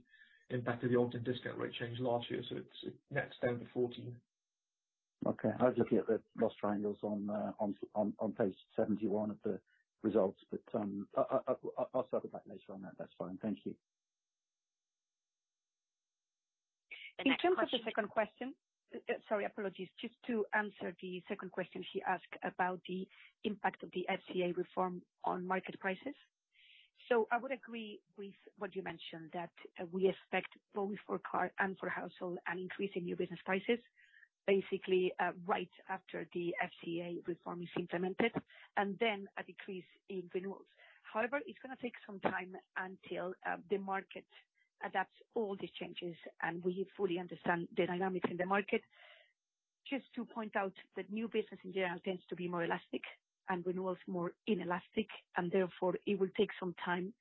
impact of the Ogden discount rate change last year, so it's next down to 14. Okay, I was looking at the loss triangles on page 71 of the results, but I’ll circle back later on that. That's fine. Thank you. As for the second question, sorry, apologies. Just to answer the second question he asked about the impact of the FCA reform on market prices. I would agree with what you mentioned, that, we expect both for car and for household, an increase in new business prices, basically, right after the FCA reform is implemented, and then a decrease in renewals. However, it's gonna take some time until, the market adapts all these changes, and we fully understand the dynamics in the market. Just to point out that new business in general tends to be more elastic and renewals more inelastic, and therefore it will take some time,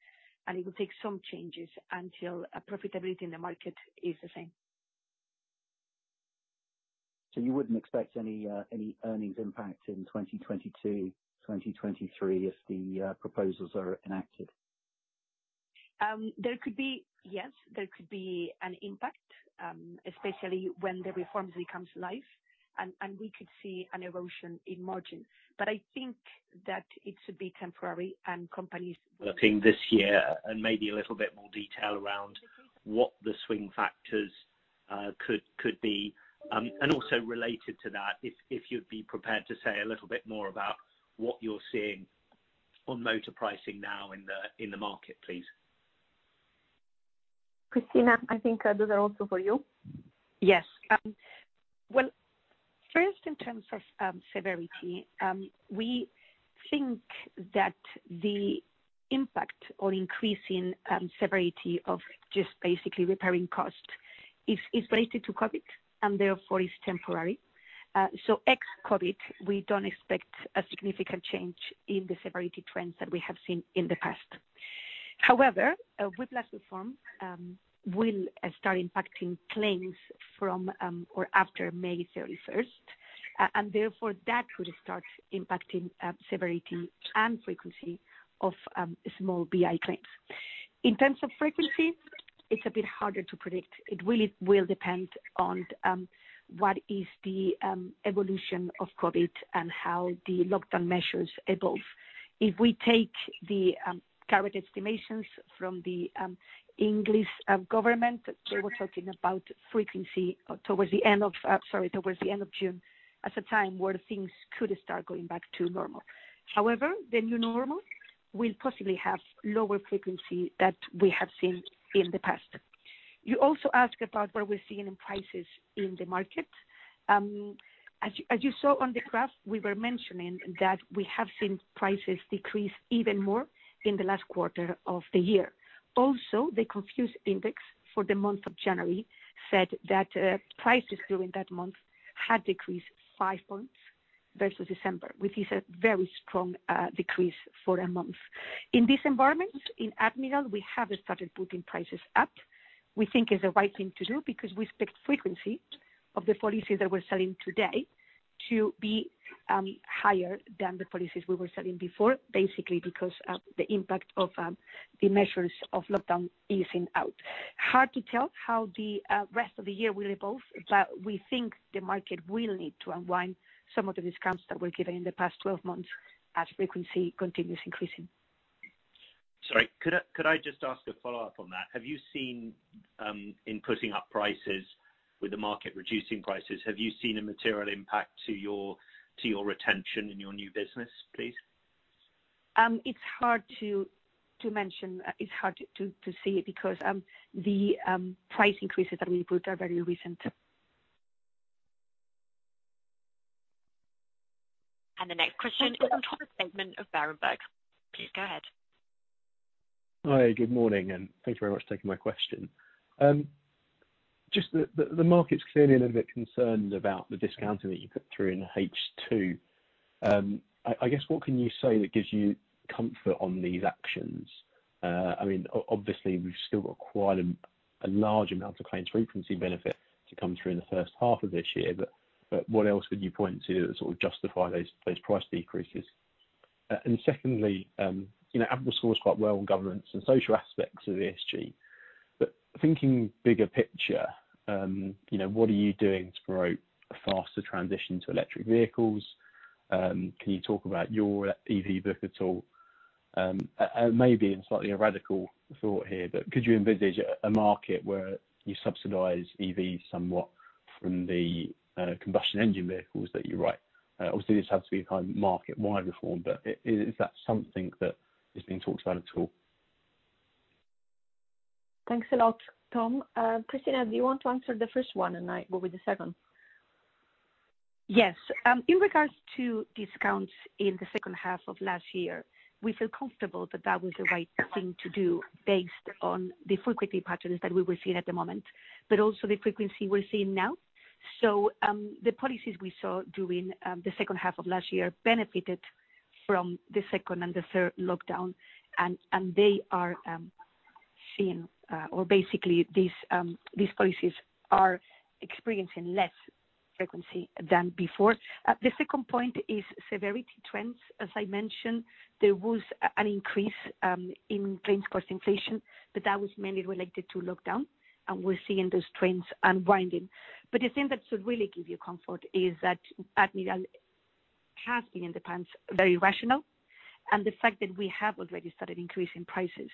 and it will take some changes until, profitability in the market is the same. You wouldn't expect any earnings impact in 2022, 2023, if the proposals are enacted? There could be, yes, there could be an impact, especially when the reforms comes live, and we could see an erosion in margin. But I think that it should be temporary, and companies- Looking this year, and maybe a little bit more detail around what the swing factors could be. Also related to that, if you'd be prepared to say a little bit more about what you're seeing on motor pricing now in the market, please. Cristina, I think those are also for you. Yes. Well, first, in terms of severity, we think that the impact on increasing severity of just basically repairing costs is related to COVID and therefore is temporary. So ex-COVID, we don't expect a significant change in the severity trends that we have seen in the past. However, Whiplash Reform will start impacting claims from or after 31 May, and therefore, that could start impacting severity and frequency of small BI claims. In terms of frequency, it's a bit harder to predict. It really will depend on what is the evolution of COVID and how the lockdown measures evolve. If we take the current estimations from the English government, they were talking about frequency towards the end of June, as a time where things could start going back to normal. However, the new normal will possibly have lower frequency than we have seen in the past. You also ask about what we're seeing in prices in the market. As you saw on the graph, we were mentioning that we have seen prices decrease even more in the last quarter of the year. Also, the Confused Index for the month of January said that prices during that month had decreased five points versus December, which is a very strong decrease for a month. In this environment, in Admiral, we have started putting prices up. We think it's the right thing to do because we expect frequency of the policies that we're selling today to be higher than the policies we were selling before, basically because of the impact of the measures of lockdown easing out. Hard to tell how the rest of the year will evolve, but we think the market will need to unwind some of the discounts that were given in the past 12 months as frequency continues increasing. Sorry, could I just ask a follow-up on that? Have you seen, in putting up prices, with the market reducing prices, have you seen a material impact to your retention in your new business, please? It's hard to mention. It's hard to see, because the price increases that we put are very recent. The next question is from Thomas Bateman of Berenberg. Please go ahead. Hi, good morning, and thank you very much for taking my question. Just the market's clearly a little bit concerned about the discounting that you put through in H2. I guess, what can you say that gives you comfort on these actions? We've still got quite a large amount of claims frequency benefit to come through in the first half of this year, but what else would you point to that sort of justify those price decreases? Secondly, you know, Admiral scores quite well on governance and social aspects of ESG, but thinking bigger picture, you know, what are you doing to promote a faster transition to electric vehicles? Can you talk about your EV book at all? Maybe a slightly radical thought here, but could you envisage a market where you subsidize EVs somewhat from the combustion engine vehicles that you write? Obviously, this would have to be a kind of market-wide reform, but is that something that is being talked about at all? Thanks a lot, Tom. Cristina, do you want to answer the first one, and I go with the second? In regards to discounts in the second half of last year, we feel comfortable that that was the right thing to do based on the frequency patterns that we were seeing at the moment, but also the frequency we're seeing now. The policies we saw during the second half of last year benefited from the second and the third lockdown, and they are seeing, or basically these policies are experiencing less frequency than before. The second point is severity trends. As I mentioned, there was an increase in claims cost inflation, but that was mainly related to lockdown, and we're seeing those trends unwinding. The thing that should really give you comfort is that Admiral has been, in the past, very rational, and the fact that we have already started increasing prices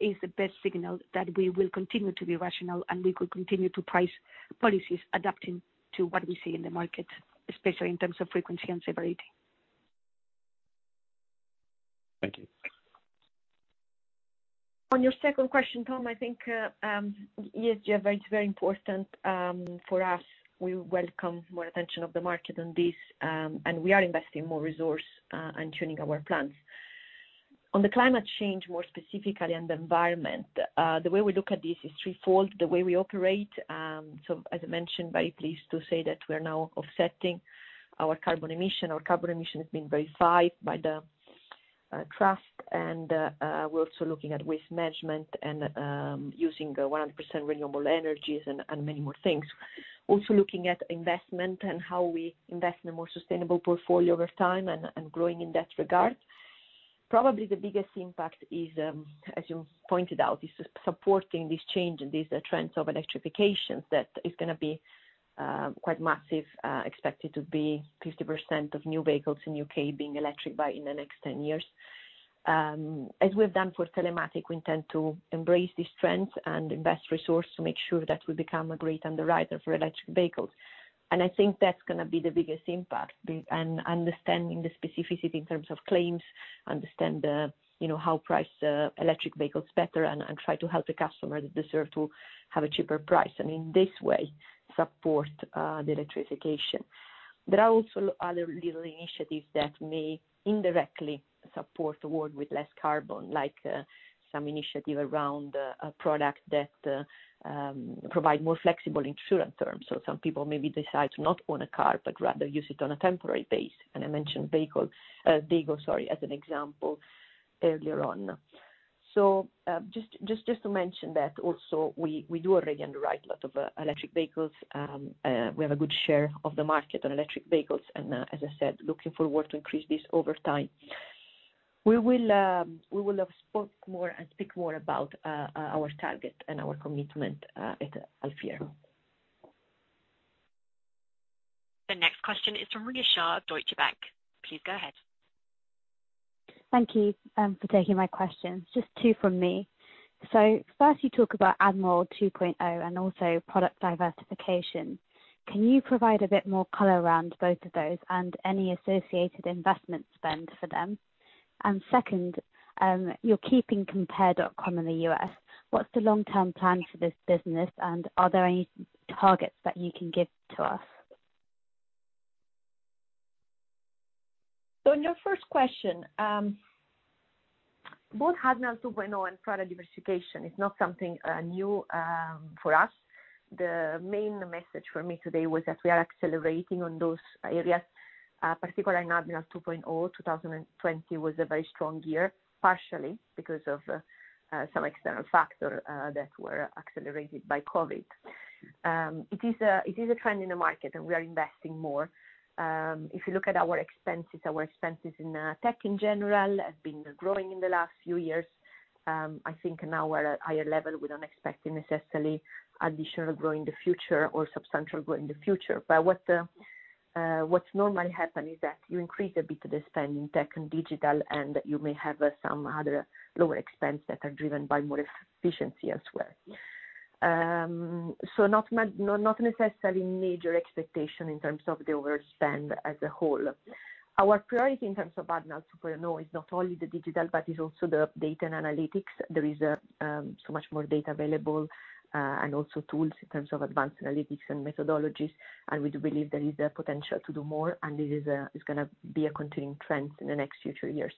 is the best signal that we will continue to be rational, and we will continue to price policies adapting to what we see in the market, especially in terms of frequency and severity. Thank you. On your second question, Tom, I think, ESG is very important for us. We welcome more attention of the market on this, and we are investing more resource and tuning our plans. On the climate change, more specifically, and the environment, the way we look at this is threefold. The way we operate, so as I mentioned, very pleased to say that we are now offsetting our carbon emission. Our carbon emission has been verified by the trust, and we're also looking at waste management and using 100% renewable energies and many more things. Also, looking at investment and how we invest in a more sustainable portfolio over time and growing in that regard. Probably the biggest impact is, as you pointed out, is supporting this change and these trends of electrification, that is gonna be quite massive, expected to be 50% of new vehicles in UK being electric by, in the next 10 years. As we've done for telematics, we intend to embrace these trends and invest resource to make sure that we become a great underwriter for electric vehicles. I think that's gonna be the biggest impact, and understanding the specificity in terms of claims, understand, you know, how price electric vehicles better, and try to help the customer that deserve to have a cheaper price, and in this way, support the electrification. There are also other little initiatives that may indirectly support the world with less carbon, like, some initiative around, a product that provide more flexible insurance terms. Some people maybe decide to not own a car, but rather use it on a temporary basis, and I mentioned vehicles, Veygo, sorry, as an example earlier on. Just to mention that also, we do already underwrite a lot of electric vehicles. We have a good share of the market on electric vehicles, and, as I said, looking forward to increase this over time. We will spoke more and speak more about our target and our commitment at half year. The next question is from Rhea Shah of Deutsche Bank. Please go ahead. Thank you, for taking my questions. Just two from me. First, you talk about Admiral 2.0 and also product diversification. Can you provide a bit more color around both of those and any associated investment spend for them? Second, you're keeping Compare.com in the U.S. What's the long-term plan for this business, and are there any targets that you can give to us? In your first question, both Admiral 2.0 and product diversification is not something, new, for us. The main message for me today was that we are accelerating on those areas, particularly in Admiral 2.0. 2020 was a very strong year, partially because of, some external factors, that were accelerated by COVID. It is a, it is a trend in the market, and we are investing more. If you look at our expenses, our expenses in, tech in general have been growing in the last few years. I think now we're at a higher level. We don't expect necessarily additional growth in the future or substantial growth in the future. What's normally happen is that you increase a bit, the spend in tech and digital, and you may have some other lower expense that are driven by more efficiency as well. Not necessarily major expectation in terms of the overall spend as a whole. Our priority in terms of Admiral 2.0 is not only the digital, but it's also the data and analytics. There is so much more data available, and also tools in terms of advanced analytics and methodologies. We believe there is the potential to do more, and it is, it's gonna be a continuing trend in the next future years.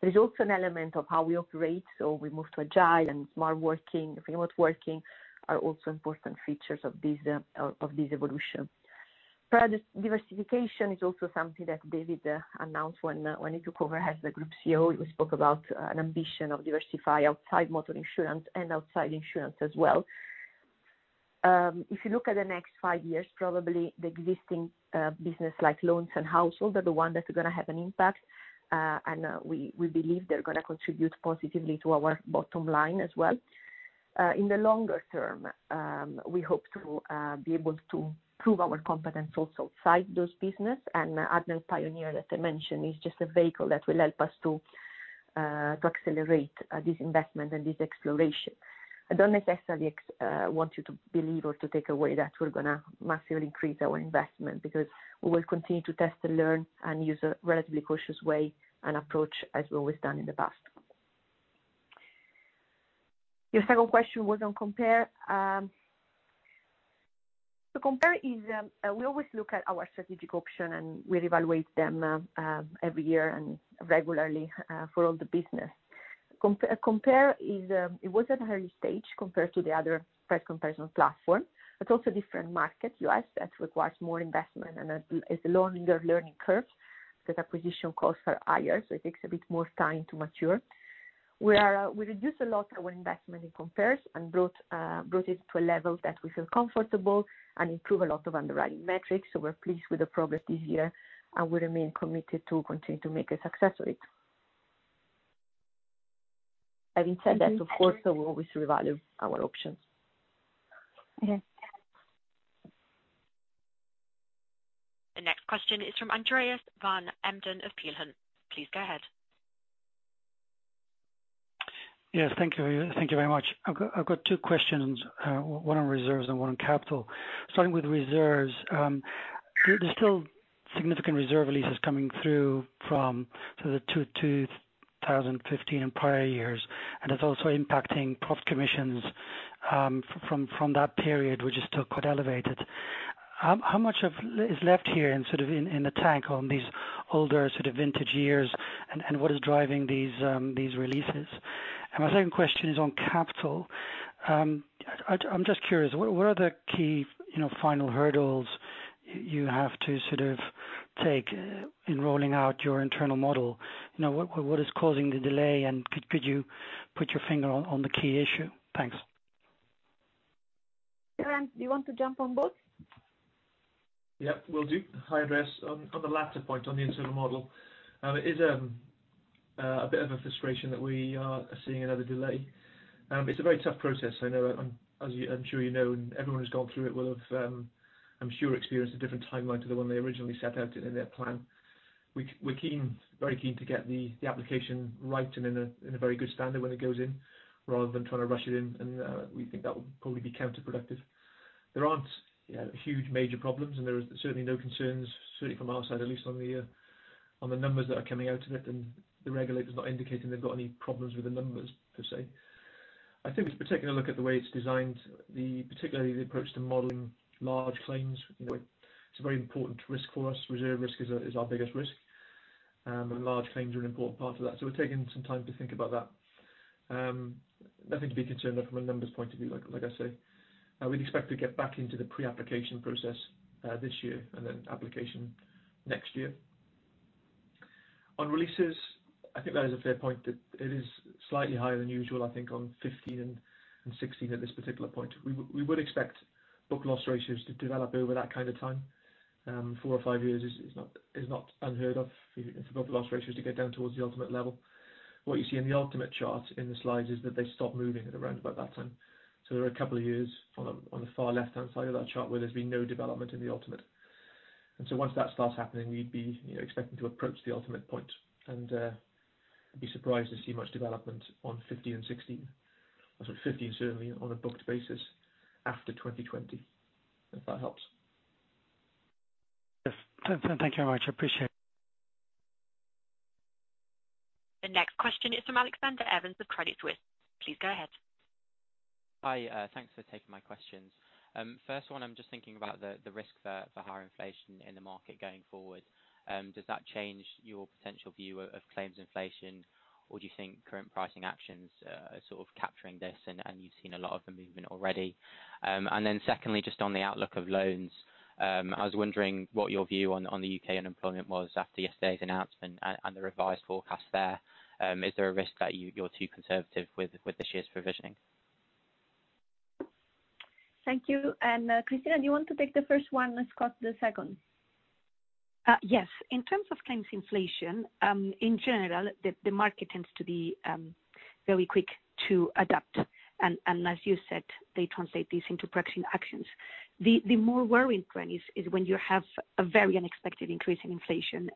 There is also an element of how we operate, so we move to agile and smart working, remote working are also important features of this, of this evolution. Product diversification is also something that David announced when, when he took over as the Group CEO. He spoke about, an ambition of diversify outside motor insurance and outside insurance as well. If you look at the next five years, probably the existing, business, like loans and household, are the one that are gonna have an impact. We, we believe they're gonna contribute positively to our bottom line as well. In the longer term, we hope to, be able to prove our competence also outside those business. Admiral Pioneer, as I mentioned, is just a vehicle that will help us to, to accelerate, this investment and this exploration. I don't necessarily expect you to believe or to take away that we're gonna massively increase our investment, because we will continue to test and learn, and use a relatively cautious way and approach, as we always done in the past. Your second question was on Compare. Compare is. We always look at our strategic option, and we evaluate them every year and regularly for all the business. Compare is, it was at an early stage compared to the other price comparison platform. It's also different market, US, that requires more investment, and it's a longer learning curve, the acquisition costs are higher, so it takes a bit more time to mature. We are, we reduced a lot our investment in Compare and brought, brought it to a level that we feel comfortable and improve a lot of underwriting metrics, so we're pleased with the progress this year, and we remain committed to continue to make a success of it. Having said that, of course, we always reevaluate our options. Okay. The next question is from Andreas van Embden of Peel Hunt. Please go ahead. Yes, thank you. Thank you very much. I've got two questions, one on reserves and one on capital. Starting with reserves, there's still significant reserve releases coming through from sort of the 2015 and prior years, and it's also impacting profit commissions from that period, which is still quite elevated. How much is left here in sort of the tank on these older sort of vintage years, and what is driving these releases? My second question is on capital. I'm just curious, what are the key final hurdles you have to sort of take in rolling out your internal model? You know, what is causing the delay, and could you put your finger on the key issue? Thanks. Geraint, do you want to jump on both? Will do. Hi, Andreas. On the latter point, on the internal model, it is a bit of a frustration that we are seeing another delay. It's a very tough process. I know, as you I'm sure you know, and everyone who's gone through it will have, I'm sure, experienced a different timeline to the one they originally set out in their plan. We're keen, very keen to get the application right and in a very good standard when it goes in, rather than trying to rush it in, and we think that would probably be counterproductive. There aren't huge major problems, and there are certainly no concerns, certainly from our side, at least on the numbers that are coming out of it, and the regulator's not indicating they've got any problems with the numbers, per se. I think it's particularly look at the way it's designed, the, particularly the approach to modeling large claims, you know, it's a very important risk for us. Reserve risk is our, is our biggest risk, and large claims are an important part of that. We're taking some time to think about that. Nothing to be concerned about from a numbers point of view, like, like I say. We'd expect to get back into the pre-application process, this year and then application next year. On releases, I think that is a fair point, that it is slightly higher than usual, I think, on 2015 and 2016 at this particular point. We would expect book loss ratios to develop over that kind of time. Four or five years is not unheard of for book loss ratios to get down towards the ultimate level. What you see in the ultimate chart in the slides is that they stop moving at around about that time. There are a couple of years on the far left-hand side of that chart, where there's been no development in the ultimate. Once that starts happening, we'd be, you know, expecting to approach the ultimate point, and I'd be surprised to see much development on 2015 and 2016, or 2015 certainly on a booked basis, after 2020, if that helps. Yes. Thank you very much. I appreciate it. The next question is from Alexander Evans of Credit Suisse. Please go ahead. Hi, thanks for taking my questions. First one, I'm just thinking about the risk for higher inflation in the market going forward. Does that change your potential view of claims inflation, or do you think current pricing actions are sort of capturing this and you've seen a lot of the movement already? Secondly, just on the outlook of loans, I was wondering what your view on the UK unemployment was after yesterday's announcement and the revised forecast there. Is there a risk that you're too conservative with this year's provisioning? Thank you. Cristina, do you want to take the first one, and Scott, the second? Yes. In terms of claims inflation, in general, the market tends to be very quick to adapt, and as you said, they translate this into pricing actions. The more worrying point is when you have a very unexpected increase in inflation,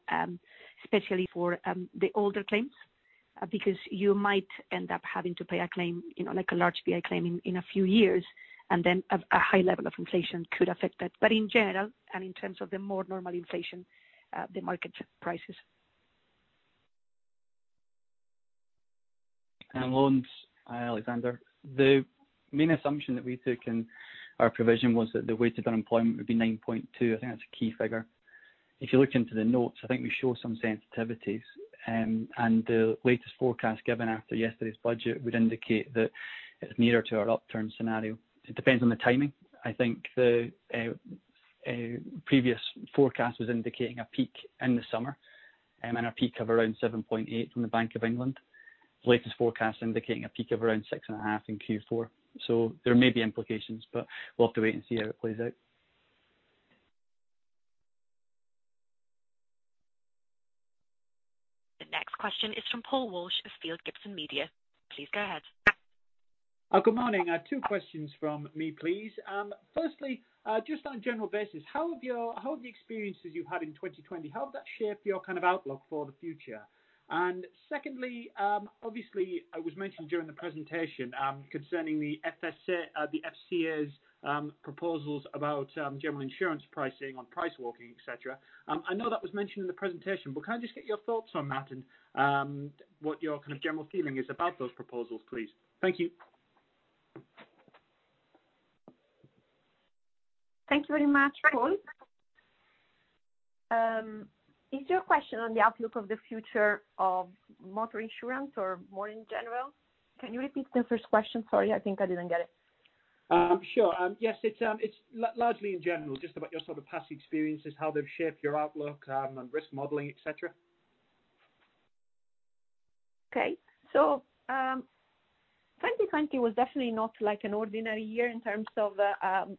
especially for the older claims, because you might end up having to pay a claim, you know, like a large PI claim in a few years, and then a high level of inflation could affect that. But in general, and in terms of the more normal inflation, the market prices. On loans, Alexander, the main assumption that we took in our provision was that the weighted unemployment would be 9.2. I think that's a key figure. If you look into the notes, I think we show some sensitivities. The latest forecast given after yesterday's Budget would indicate that it's nearer to our upturn scenario. It depends on the timing. I think the previous forecast was indicating a peak in the summer, and a peak of around 7.8 from the Bank of England. Latest forecast indicating a peak of around 6.5 in Q4. So there may be implications, but we'll have to wait and see how it plays out. The next question is from Paul Walsh of Field Gibson Media. Please go ahead. Good morning. I have two questions from me, please. Firstly, just on a general basis, how have the experiences you've had in 2020 shaped your kind of outlook for the future? Secondly, obviously, it was mentioned during the presentation, concerning the FSA, the FCA's proposals about general insurance pricing on price walking, et cetera. I know that was mentioned in the presentation, but can I just get your thoughts on that and what your kind of general feeling is about those proposals, please? Thank you. Thank you very much, Paul. Is your question on the outlook of the future of motor insurance or more in general? Can you repeat the first question? Sorry, I think I didn't get it. Sure. Yes, it's largely in general, just about your sort of past experiences, how they've shaped your outlook, and risk modeling, et cetera. 2020 was definitely not like an ordinary year in terms of,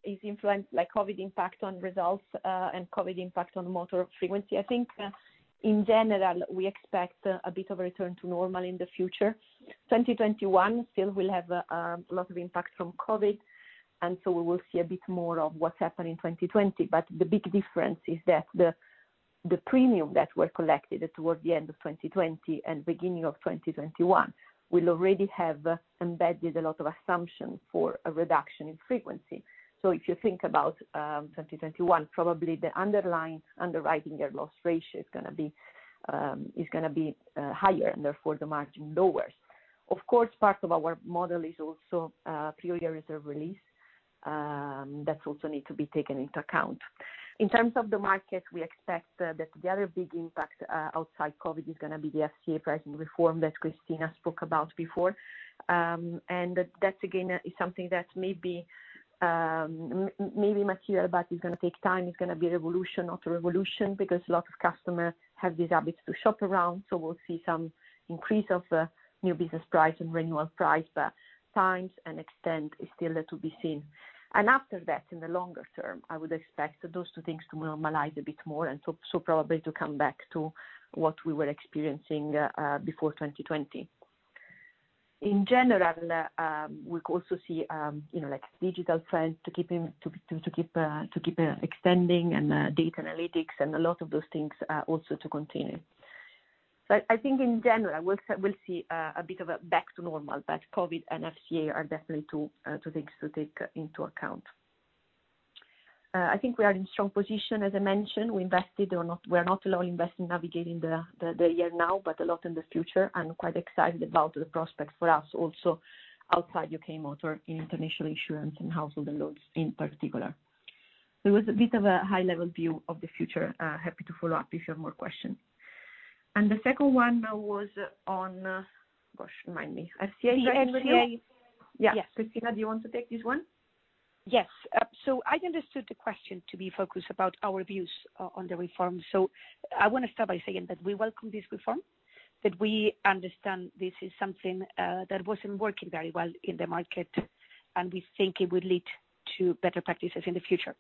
its influence, like COVID impact on results, and COVID impact on motor frequency. I think, in general, we expect a bit of a return to normal in the future. 2021 still will have, a lot of impact from COVID, and so we will see a bit more of what happened in 2020. The big difference is that the, the premium that were collected towards the end of 2020 and beginning of 2021 will already have embedded a lot of assumption for a reduction in frequency. If you think about, 2021, probably the underlying underwriting and loss ratio is gonna be, is gonna be, higher, and therefore the margin lower. Of course, part of our model is also prior year reserve release that also need to be taken into account. In terms of the market, we expect that the other big impact outside COVID is gonna be the FCA pricing reform that Cristina spoke about before. That again is something that may be maybe material, but it's gonna take time. It's gonna be an evolution, not a revolution, because a lot of customers have this habit to shop around. We'll see some increase of new business price and renewal price, but times and extent is still to be seen. After that, in the longer term, I would expect those two things to normalize a bit more, and so probably to come back to what we were experiencing before 2020. In general, we also see, you know, like digital trend to keep extending and data analytics and a lot of those things also to continue. I think in general, we'll see a bit of a back to normal, but COVID and FCA are definitely two things to take into account. I think we are in strong position, as I mentioned. We invested or not, we are not only investing in navigating the year now, but a lot in the future. I'm quite excited about the prospect for us also outside UK Motor, in international insurance and household and loans in particular. It was a bit of a high-level view of the future. Happy to follow up if you have more questions. The second one was on, gosh, remind me, FCA- FCA Yes. Cristina, do you want to take this one? Yes. I understood the question to be focused about our views on the reform. I wanna start by saying that we welcome this reform, that we understand this is something that wasn't working very well in the market, and we think it will lead to better practices in the future.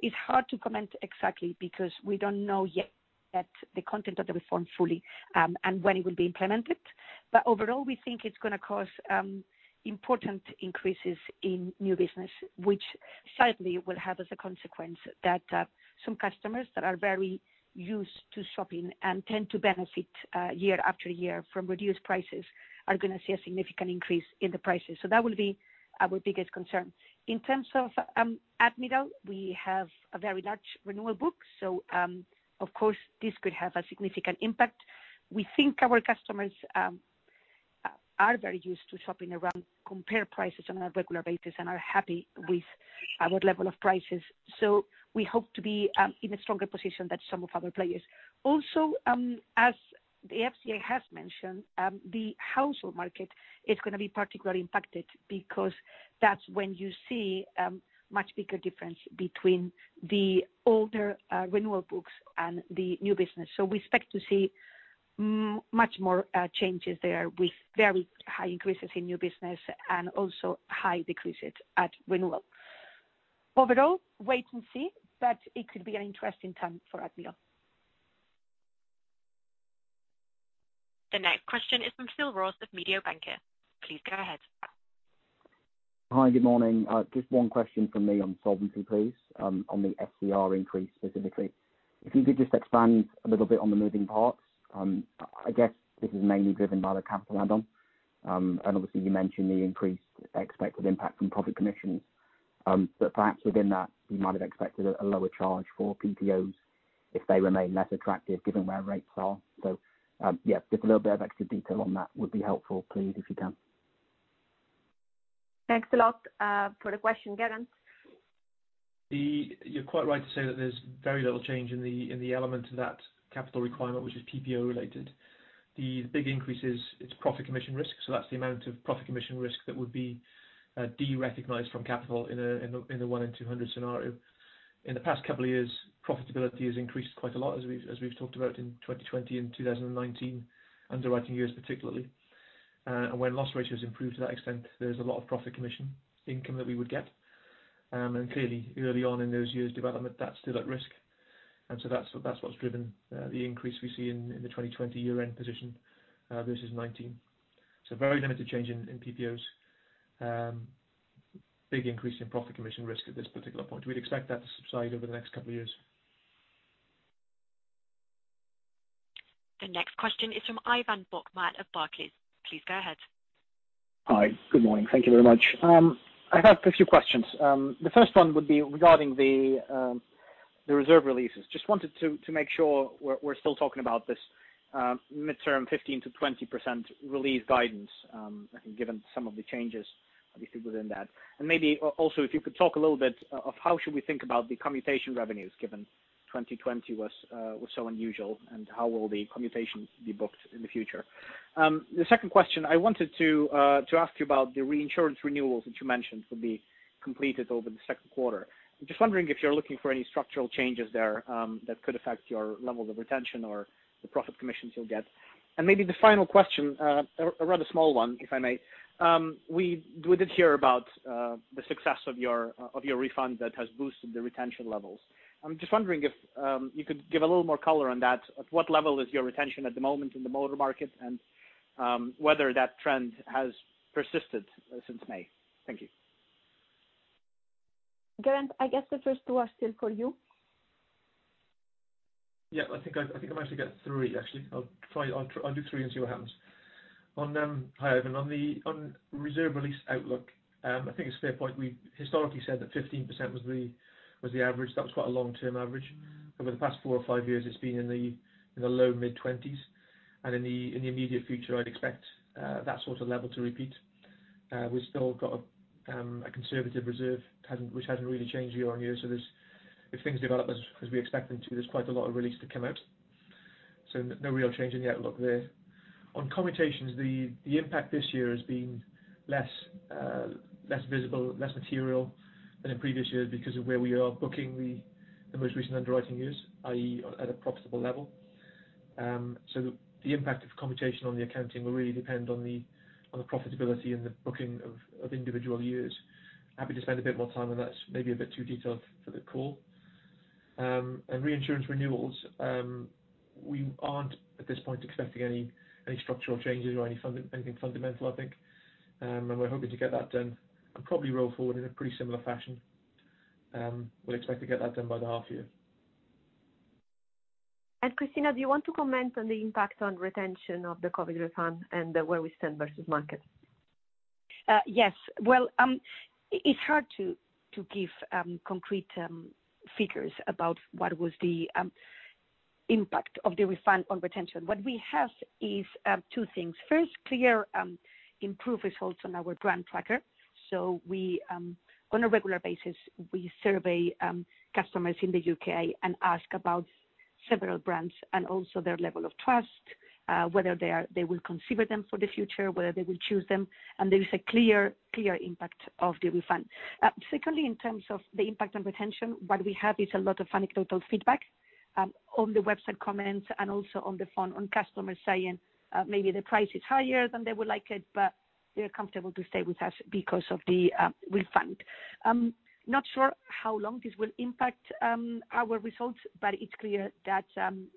It's hard to comment exactly because we don't know yet that the content of the reform fully, and when it will be implemented. Overall, we think it's gonna cause important increases in new business, which certainly will have as a consequence that some customers that are very used to shopping and tend to benefit year after year from reduced prices, are gonna see a significant increase in the prices. That will be our biggest concern. In terms of Admiral, we have a very large renewal book, so of course, this could have a significant impact. We think our customers are very used to shopping around, compare prices on a regular basis and are happy with our level of prices, so we hope to be in a stronger position than some of other players. Also, as the FCA has mentioned, the household market is gonna be particularly impacted because that's when you see much bigger difference between the older renewal books and the new business. We expect to see much more changes there, with very high increases in new business and also high decreases at renewal. Overall, wait and see, but it could be an interesting time for Admiral. The next question is from Philip Ross of Mediobanca. Please go ahead. Hi, good morning. Just one question from me on solvency, please. On the SCR increase specifically. If you could just expand a little bit on the moving parts. I guess this is mainly driven by the capital add-on. Obviously you mentioned the increased expected impact from profit commissions, but perhaps within that, we might have expected a lower charge for PPOs if they remain less attractive given where rates are. Just a little bit of extra detail on that would be helpful, please, if you can. Thanks a lot for the question, Geraint. You're quite right to say that there's very little change in the, in the element to that capital requirement, which is PPO related. The big increase is, it's profit commission risk, so that's the amount of profit commission risk that would be, de-recognized from capital in a, in the, in the 1-in-200 scenario. In the past couple of years, profitability has increased quite a lot, as we've, as we've talked about in 2020 and 2019, underwriting years, particularly. When loss ratios improve to that extent, there's a lot of profit commission income that we would get. And clearly, early on in those years' development, that's still at risk. That's, that's what's driven, the increase we see in, in the 2020 year-end position, versus 2019. Every limited change in, in PPOs. Big increase in profit commission risk at this particular point. We'd expect that to subside over the next couple of years. The next question is from Ivan Bokhmat of Barclays. Please go ahead. Hi, good morning. Thank you very much. I have a few questions. The first one would be regarding the reserve releases. Just wanted to make sure we're still talking about this midterm 15% to 20% release guidance, I think given some of the changes obviously within that. Maybe also, if you could talk a little bit of how should we think about the commutation revenues, given 2020 was so unusual, and how will the commutations be booked in the future? The second question, I wanted to ask you about the reinsurance renewals that you mentioned will be completed over the Q2. I'm just wondering if you're looking for any structural changes there, that could affect your levels of retention or the profit commissions you'll get. Maybe the final question, a rather small one, if I may. We did hear about the success of your refund that has boosted the retention levels. I'm just wondering if you could give a little more color on that. At what level is your retention at the moment in the motor market, and whether that trend has persisted since May? Thank you. Geraint, I guess the first two are still for you. I think I might actually get three, actually. I'll try, I'll do three and see what happens. On them... Hi, Ivan. On the, on reserve release outlook, I think it's fair point. We historically said that 15% was the average. That was quite a long-term average. Over the past four or five years, it's been in the low- to mid-twenties, and in the immediate future, I'd expect that sort of level to repeat. We've still got a conservative reserve, hasn't, which hasn't really changed year on year, so there's, if things develop as we expect them to, there's quite a lot of release to come out. No real change in the outlook there. On commutations, the impact this year has been less visible, less material than in previous years because of where we are booking the most recent underwriting years, i.e., at a profitable level. So the impact of commutation on the accounting will really depend on the profitability and the booking of individual years. Happy to spend a bit more time on that. It's maybe a bit too detailed for the call. And reinsurance renewals, we aren't at this point expecting any structural changes or anything fundamental, I think. We're hoping to get that done, and probably roll forward in a pretty similar fashion. We'll expect to get that done by the half year. Cristina, do you want to comment on the impact on retention of the COVID refund and where we stand versus market? Yes. Well, it's hard to give concrete figures about what was the impact of the refund on retention. What we have is two things. First, clear improved results on our brand tracker. We, on a regular basis, we survey customers in the UK and ask about several brands and also their level of trust, whether they are. They will consider them for the future, whether they will choose them, and there is a clear, clear impact of the refund. Secondly, in terms of the impact on retention, what we have is a lot of anecdotal feedback on the website comments and also on the phone, on customers saying, maybe the price is higher than they would like it, but they're comfortable to stay with us because of the refund. I'm not sure how long this will impact our results, but it's clear that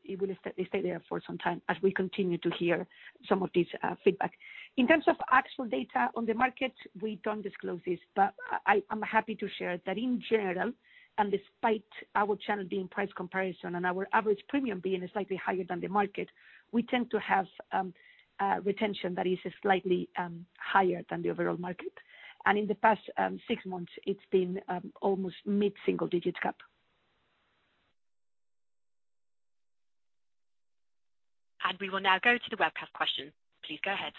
it will stay there for some time as we continue to hear some of this feedback. In terms of actual data on the market, we don't disclose this, but I'm happy to share that in general, and despite our channel being price comparison and our average premium being slightly higher than the market, we tend to have retention that is slightly higher than the overall market. In the past six months, it's been almost mid-single digit gap. We will now go to the webcast question. Please go ahead.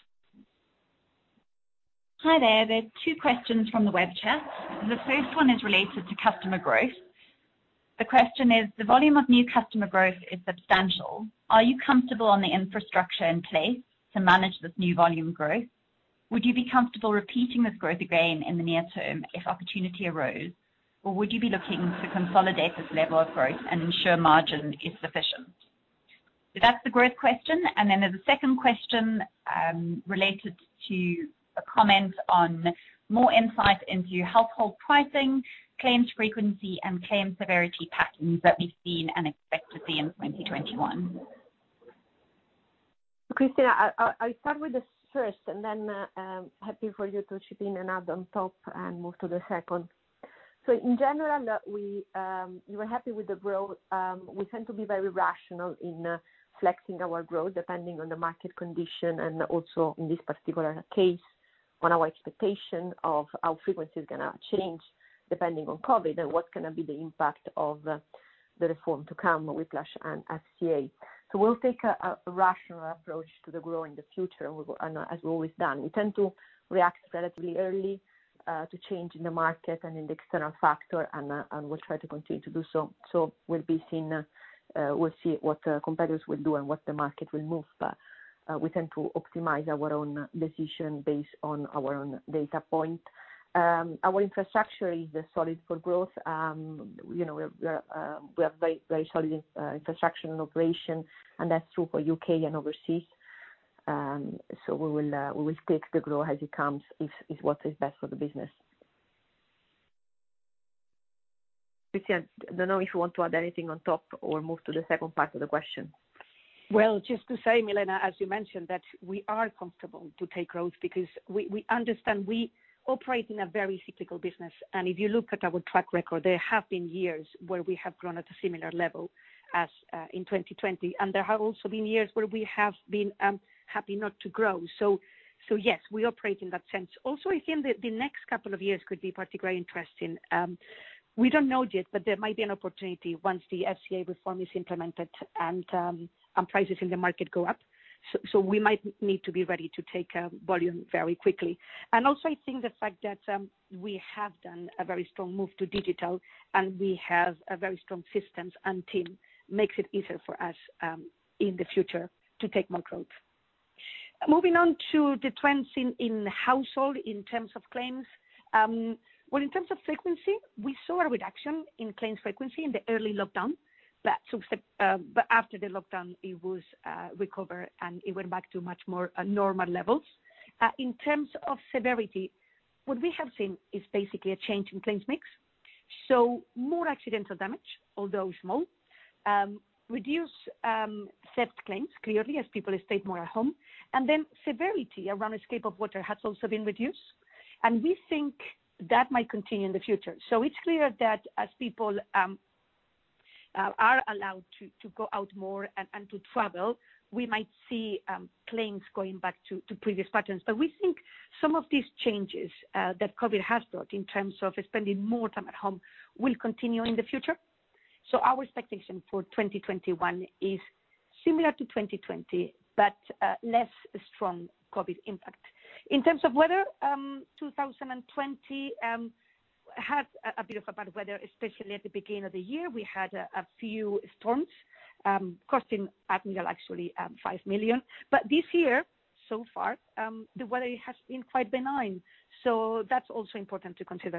Hi there. There are two questions from the web chat. The first one is related to customer growth. The question is: The volume of new customer growth is substantial. Are you comfortable on the infrastructure in place to manage this new volume growth? Would you be comfortable repeating this growth again in the near term if opportunity arose, or would you be looking to consolidate this level of growth and ensure margin is sufficient? That's the growth question. There's a second question, related to a comment on more insight into household pricing, claims frequency, and claim severity patterns that we've seen and expect to see in 2021. Cristina, I'll start with the first and then happy for you to chip in and add on top and move to the second. In general, we, we're happy with the growth. We tend to be very rational in flexing our growth depending on the market condition and also in this particular case, on our expectation of how frequency is gonna change, depending on COVID and what's gonna be the impact of the reform to come with Whiplash and FCA. We'll take a rational approach to the growth in the future, and we will, and as we've always done. We tend to react relatively early to change in the market and in the external factor, and we'll try to continue to do so. We'll be seeing, we'll see what competitors will do and what the market will move, but, we tend to optimize our own decision based on our own data point. Our infrastructure is solid for growth. You know, we're, we have very, very solid, infrastructure and operation, and that's true for UK and overseas. We will, we will take the growth as it comes, if, if what is best for the business. Cristina, I don't know if you want to add anything on top or move to the second part of the question? Well, just to say, Milena, as you mentioned, that we are comfortable to take growth because we, we understand we operate in a very cyclical business. And if you look at our track record, there have been years where we have grown at a similar level as in 2020, and there have also been years where we have been happy not to grow. Yes, we operate in that sense. Also, I think the next couple of years could be particularly interesting. We don't know yet, but there might be an opportunity once the FCA reform is implemented and prices in the market go up. We might need to be ready to take volume very quickly. Also, I think the fact that we have done a very strong move to digital, and we have a very strong systems and team, makes it easier for us in the future to take more growth. Moving on to the trends in household in terms of claims. Well, in terms of frequency, we saw a reduction in claims frequency in the early lockdown. After the lockdown, it recovered, and it went back to much more normal levels. In terms of severity, what we have seen is basically a change in claims mix. More accidental damage, although small. Reduced theft claims, clearly, as people stayed more at home. Severity around escape of water has also been reduced, and we think that might continue in the future. It's clear that as people are allowed to go out more and to travel, we might see claims going back to previous patterns. We think some of these changes that COVID has brought in terms of spending more time at home will continue in the future. Our expectation for 2021 is similar to 2020, but less strong COVID impact. In terms of weather, 2020 had a bit of a bad weather, especially at the beginning of the year. We had a few storms costing Admiral actually 5 million. This year, so far, the weather has been quite benign, so that's also important to consider.